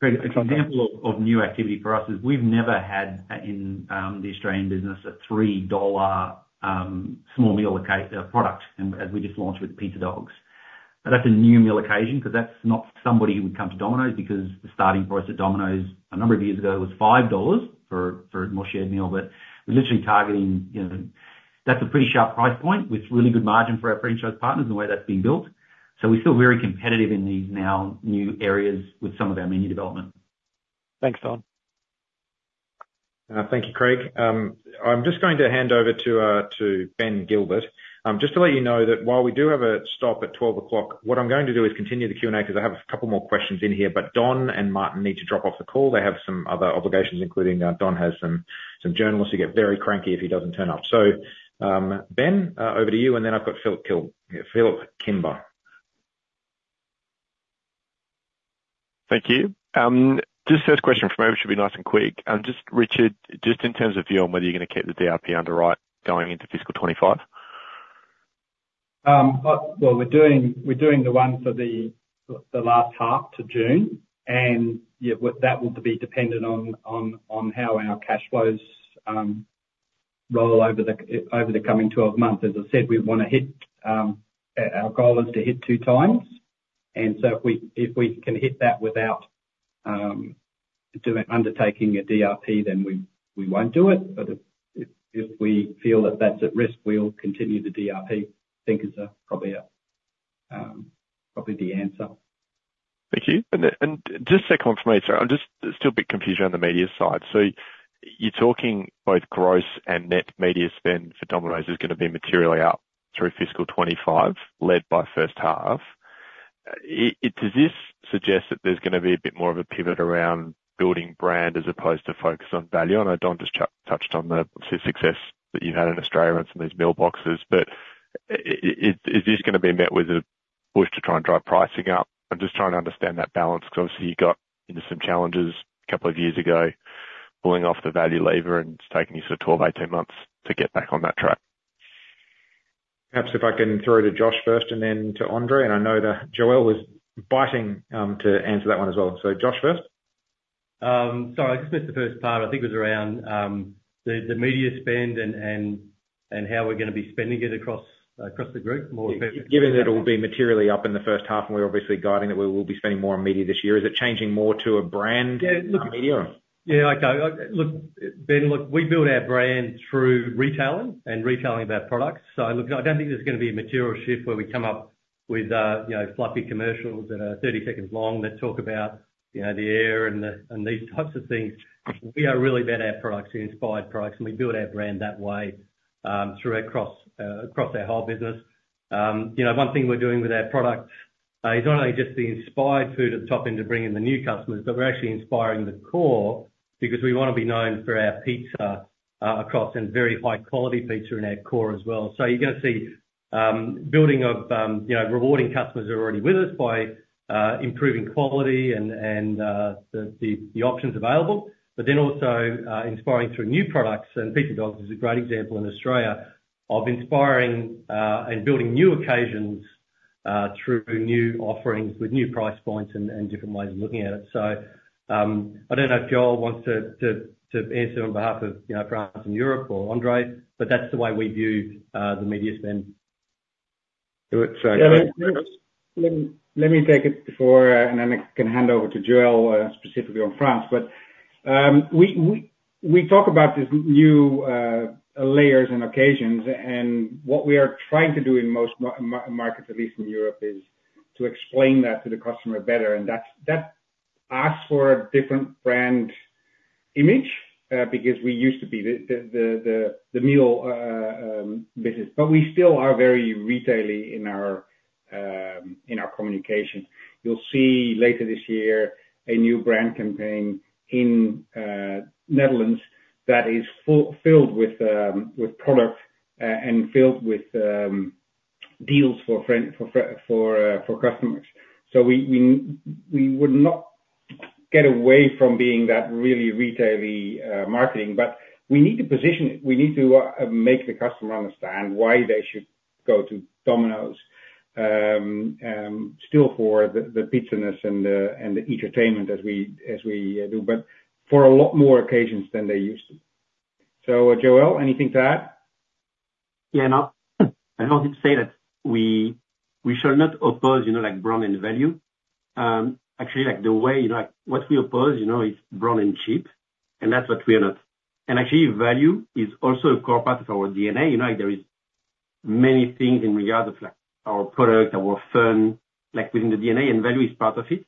Great. An example of new activity for us is we've never had in the Australian business a 3 dollar small meal occasion product, and as we just launched with Pizza Dogs. But that's a new meal occasion, 'cause that's not somebody who would come to Domino's, because the starting price at Domino's a number of years ago was 5 dollars for a more shared meal. But we're literally targeting, you know... That's a pretty sharp price point, with really good margin for our franchise partners and the way that's being built. So we're still very competitive in these now new areas with some of our menu development. Thanks, Don. Thank you, Craig. I'm just going to hand over to Ben Gilbert. Just to let you know that while we do have a stop at 12 o'clock, what I'm going to do is continue the Q&A, 'cause I have a couple more questions in here. But Don and Martin need to drop off the call. They have some other obligations, including Don has some journalists who get very cranky if he doesn't turn up. Ben, over to you, and then I've got Phillip Kimber. Thank you. Just first question from me should be nice and quick. Just Richard, just in terms of view on whether you're gonna keep the DRP underwrite going into fiscal 2025? Well, we're doing the one for the last half to June, and that will be dependent on how our cash flows roll over the coming 12 months. As I said, we wanna hit our goal is to hit two times, and so if we can hit that without undertaking a DRP, then we won't do it. But if we feel that that's at risk, we'll continue the DRP, I think is probably the answer. Thank you. And then, and just to confirm for me, sorry, I'm just still a bit confused on the media side. So you're talking both gross and net media spend for Domino's is gonna be materially up through fiscal 2025, led by first half. Does this suggest that there's gonna be a bit more of a pivot around building brand, as opposed to focus on value? I know Don just touched on the success that you've had in Australia and some of these meal boxes, but is this gonna be met with a push to try and drive pricing up? I'm just trying to understand that balance, because obviously you got into some challenges a couple of years ago, pulling off the value lever, and it's taken you sort of 12 months, 18 months to get back on that track. Perhaps if I can throw to Josh first, and then to André. And I know that Joël was biting to answer that one as well. So Josh first. So I just missed the first part. I think it was around the media spend and how we're gonna be spending it across the group, more. Given that it'll be materially up in the first half, and we're obviously guiding that we will be spending more on media this year, is it changing more to a brand? Yeah, look. Media? Yeah, okay. Look, Ben, we build our brand through retailing of our products. So look, I don't think there's gonna be a material shift, where we come up with, you know, fluffy commercials that are 30 seconds long, that talk about, you know, the air and these types of things. We are really about our products, the inspired products, and we build our brand that way, through across our whole business. You know, one thing we're doing with our product is not only just the inspired food at the top end to bring in the new customers, but we're actually inspiring the core, because we wanna be known for our pizza, across and very high quality pizza in our core as well. So you're gonna see building of, you know, rewarding customers who are already with us by improving quality and the options available. But then also inspiring through new products, and Pizza Dogs is a great example in Australia of inspiring and building new occasions through new offerings with new price points and different ways of looking at it. So I don't know if Joël wants to answer on behalf of, you know, France and Europe or André, but that's the way we view the media spend. So. Let me take it before, and then I can hand over to Joël, specifically on France. But we talk about the new layers and occasions, and what we are trying to do in most markets, at least in Europe, is to explain that to the customer better, and that asks for a different brand image, because we used to be the meal business, but we still are very retail-y in our communication. You'll see later this year, a new brand campaign in Netherlands, that is filled with product, and filled with deals for customers. So we would not get away from being that really retaily marketing, but we need to position it. We need to make the customer understand why they should go to Domino's still for the pizzaness and the entertainment as we do, but for a lot more occasions than they used to. So, Joël, anything to add? Yeah, no, I wanted to say that we shall not oppose, you know, like, brand and value. Actually, like, the way, like, what we oppose, you know, is brand and cheap, and that's what we are not. And actually, value is also a core part of our DNA, you know, like, there is many things in regard of, like, our product, our firm, like, within the DNA, and value is part of it.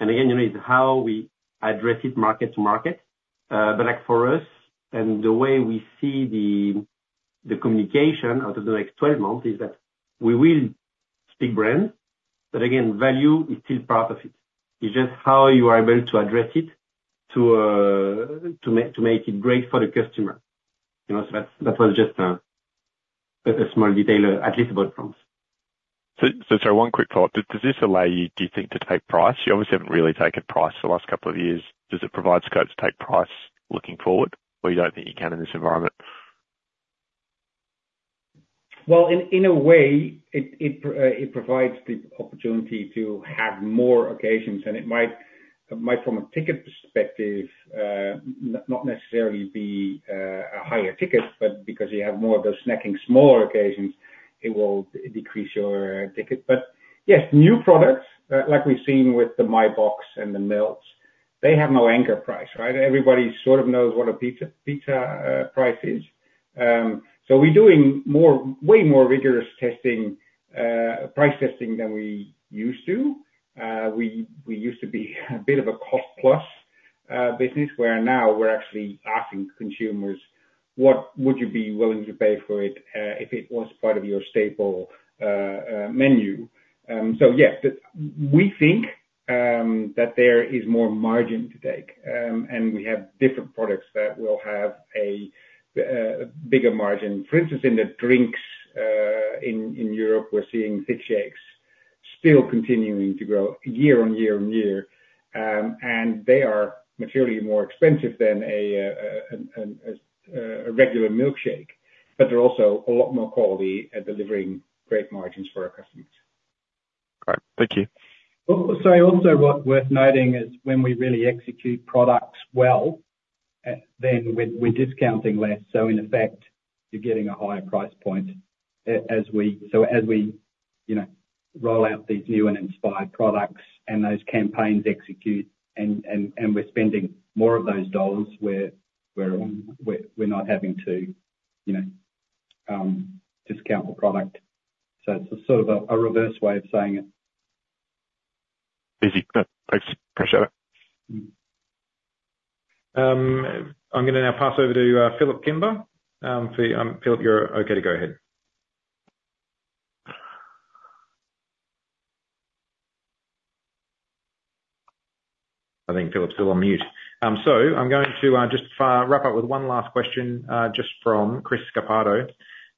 And again, you know, it's how we address it market to market. But like, for us, and the way we see the communication out of the next 12 months, is that we will stick brand, but again, value is still part of it. It's just how you are able to address it to make it great for the customer. You know, so that's, that was just a small detail, at least about France. So sorry, one quick thought. Does this allow you, do you think, to take price? You obviously haven't really taken price the last couple of years. Does it provide scope to take price looking forward, or you don't think you can in this environment? In a way, it provides the opportunity to have more occasions, and it might from a ticket perspective not necessarily be a higher ticket, but because you have more of those snacking, smaller occasions, it will decrease your ticket. But yes, new products, like we've seen with the My Box and the meals, they have no anchor price, right? Everybody sort of knows what a pizza price is. So we're doing way more rigorous testing, price testing, than we used to. We used to be a bit of a cost plus business, where now we're actually asking consumers, "What would you be willing to pay for it, if it was part of your staple menu?" So yes, we think that there is more margin to take, and we have different products that will have a bigger margin. For instance, in the drinks in Europe, we're seeing thick shakes still continuing to grow year on year on year, and they are materially more expensive than a regular milkshake, but they're also a lot more quality at delivering great margins for our customers. Great. Thank you. Well, so also, what's worth noting, is when we really execute products well, then we're discounting less, so in effect, you're getting a higher price point. So as we, you know, roll out these new and inspired products, and those campaigns execute and we're spending more of those dollars, we're not having to, you know, discount the product. So it's a sort of a reverse way of saying it. Easy. Thanks, appreciate it. Mm-hmm. I'm going to now pass over to Phillip Kimber. So you, Philip, you're okay to go ahead. I think Phillip's still on mute. So I'm going to just wrap up with one last question just from Chris Capardo,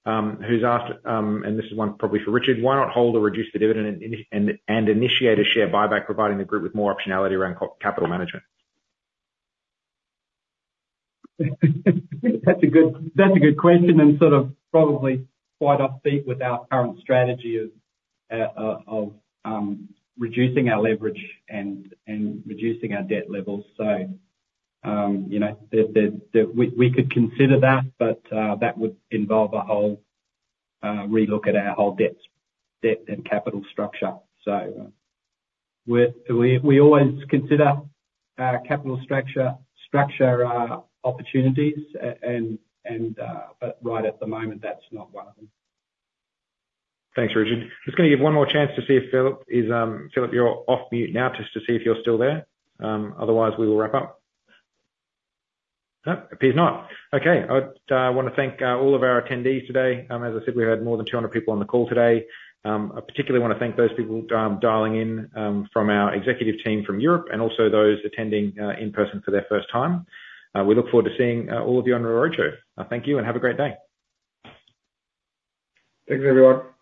who's asked, and this is one probably for Richard: Why not hold or reduce the dividend and initiate a share buyback, providing the group with more optionality around capital management? That's a good, that's a good question, and sort of, probably, quite offbeat with our current strategy of reducing our leverage and reducing our debt levels. So, you know, we could consider that, but that would involve a whole relook at our whole debt and capital structure. So we always consider capital structure opportunities, and but right at the moment, that's not one of them. Thanks, Richard. Just gonna give one more chance to see if Phillip is... Phillip, you're off mute now, just to see if you're still there, otherwise, we will wrap up. Nope, appears not. Okay, I'd want to thank all of our attendees today. As I said, we had more than 200 people on the call today. I particularly want to thank those people dialing in from our executive team from Europe, and also those attending in person for their first time. We look forward to seeing all of you on our roadshow. Thank you, and have a great day. Thanks, everyone.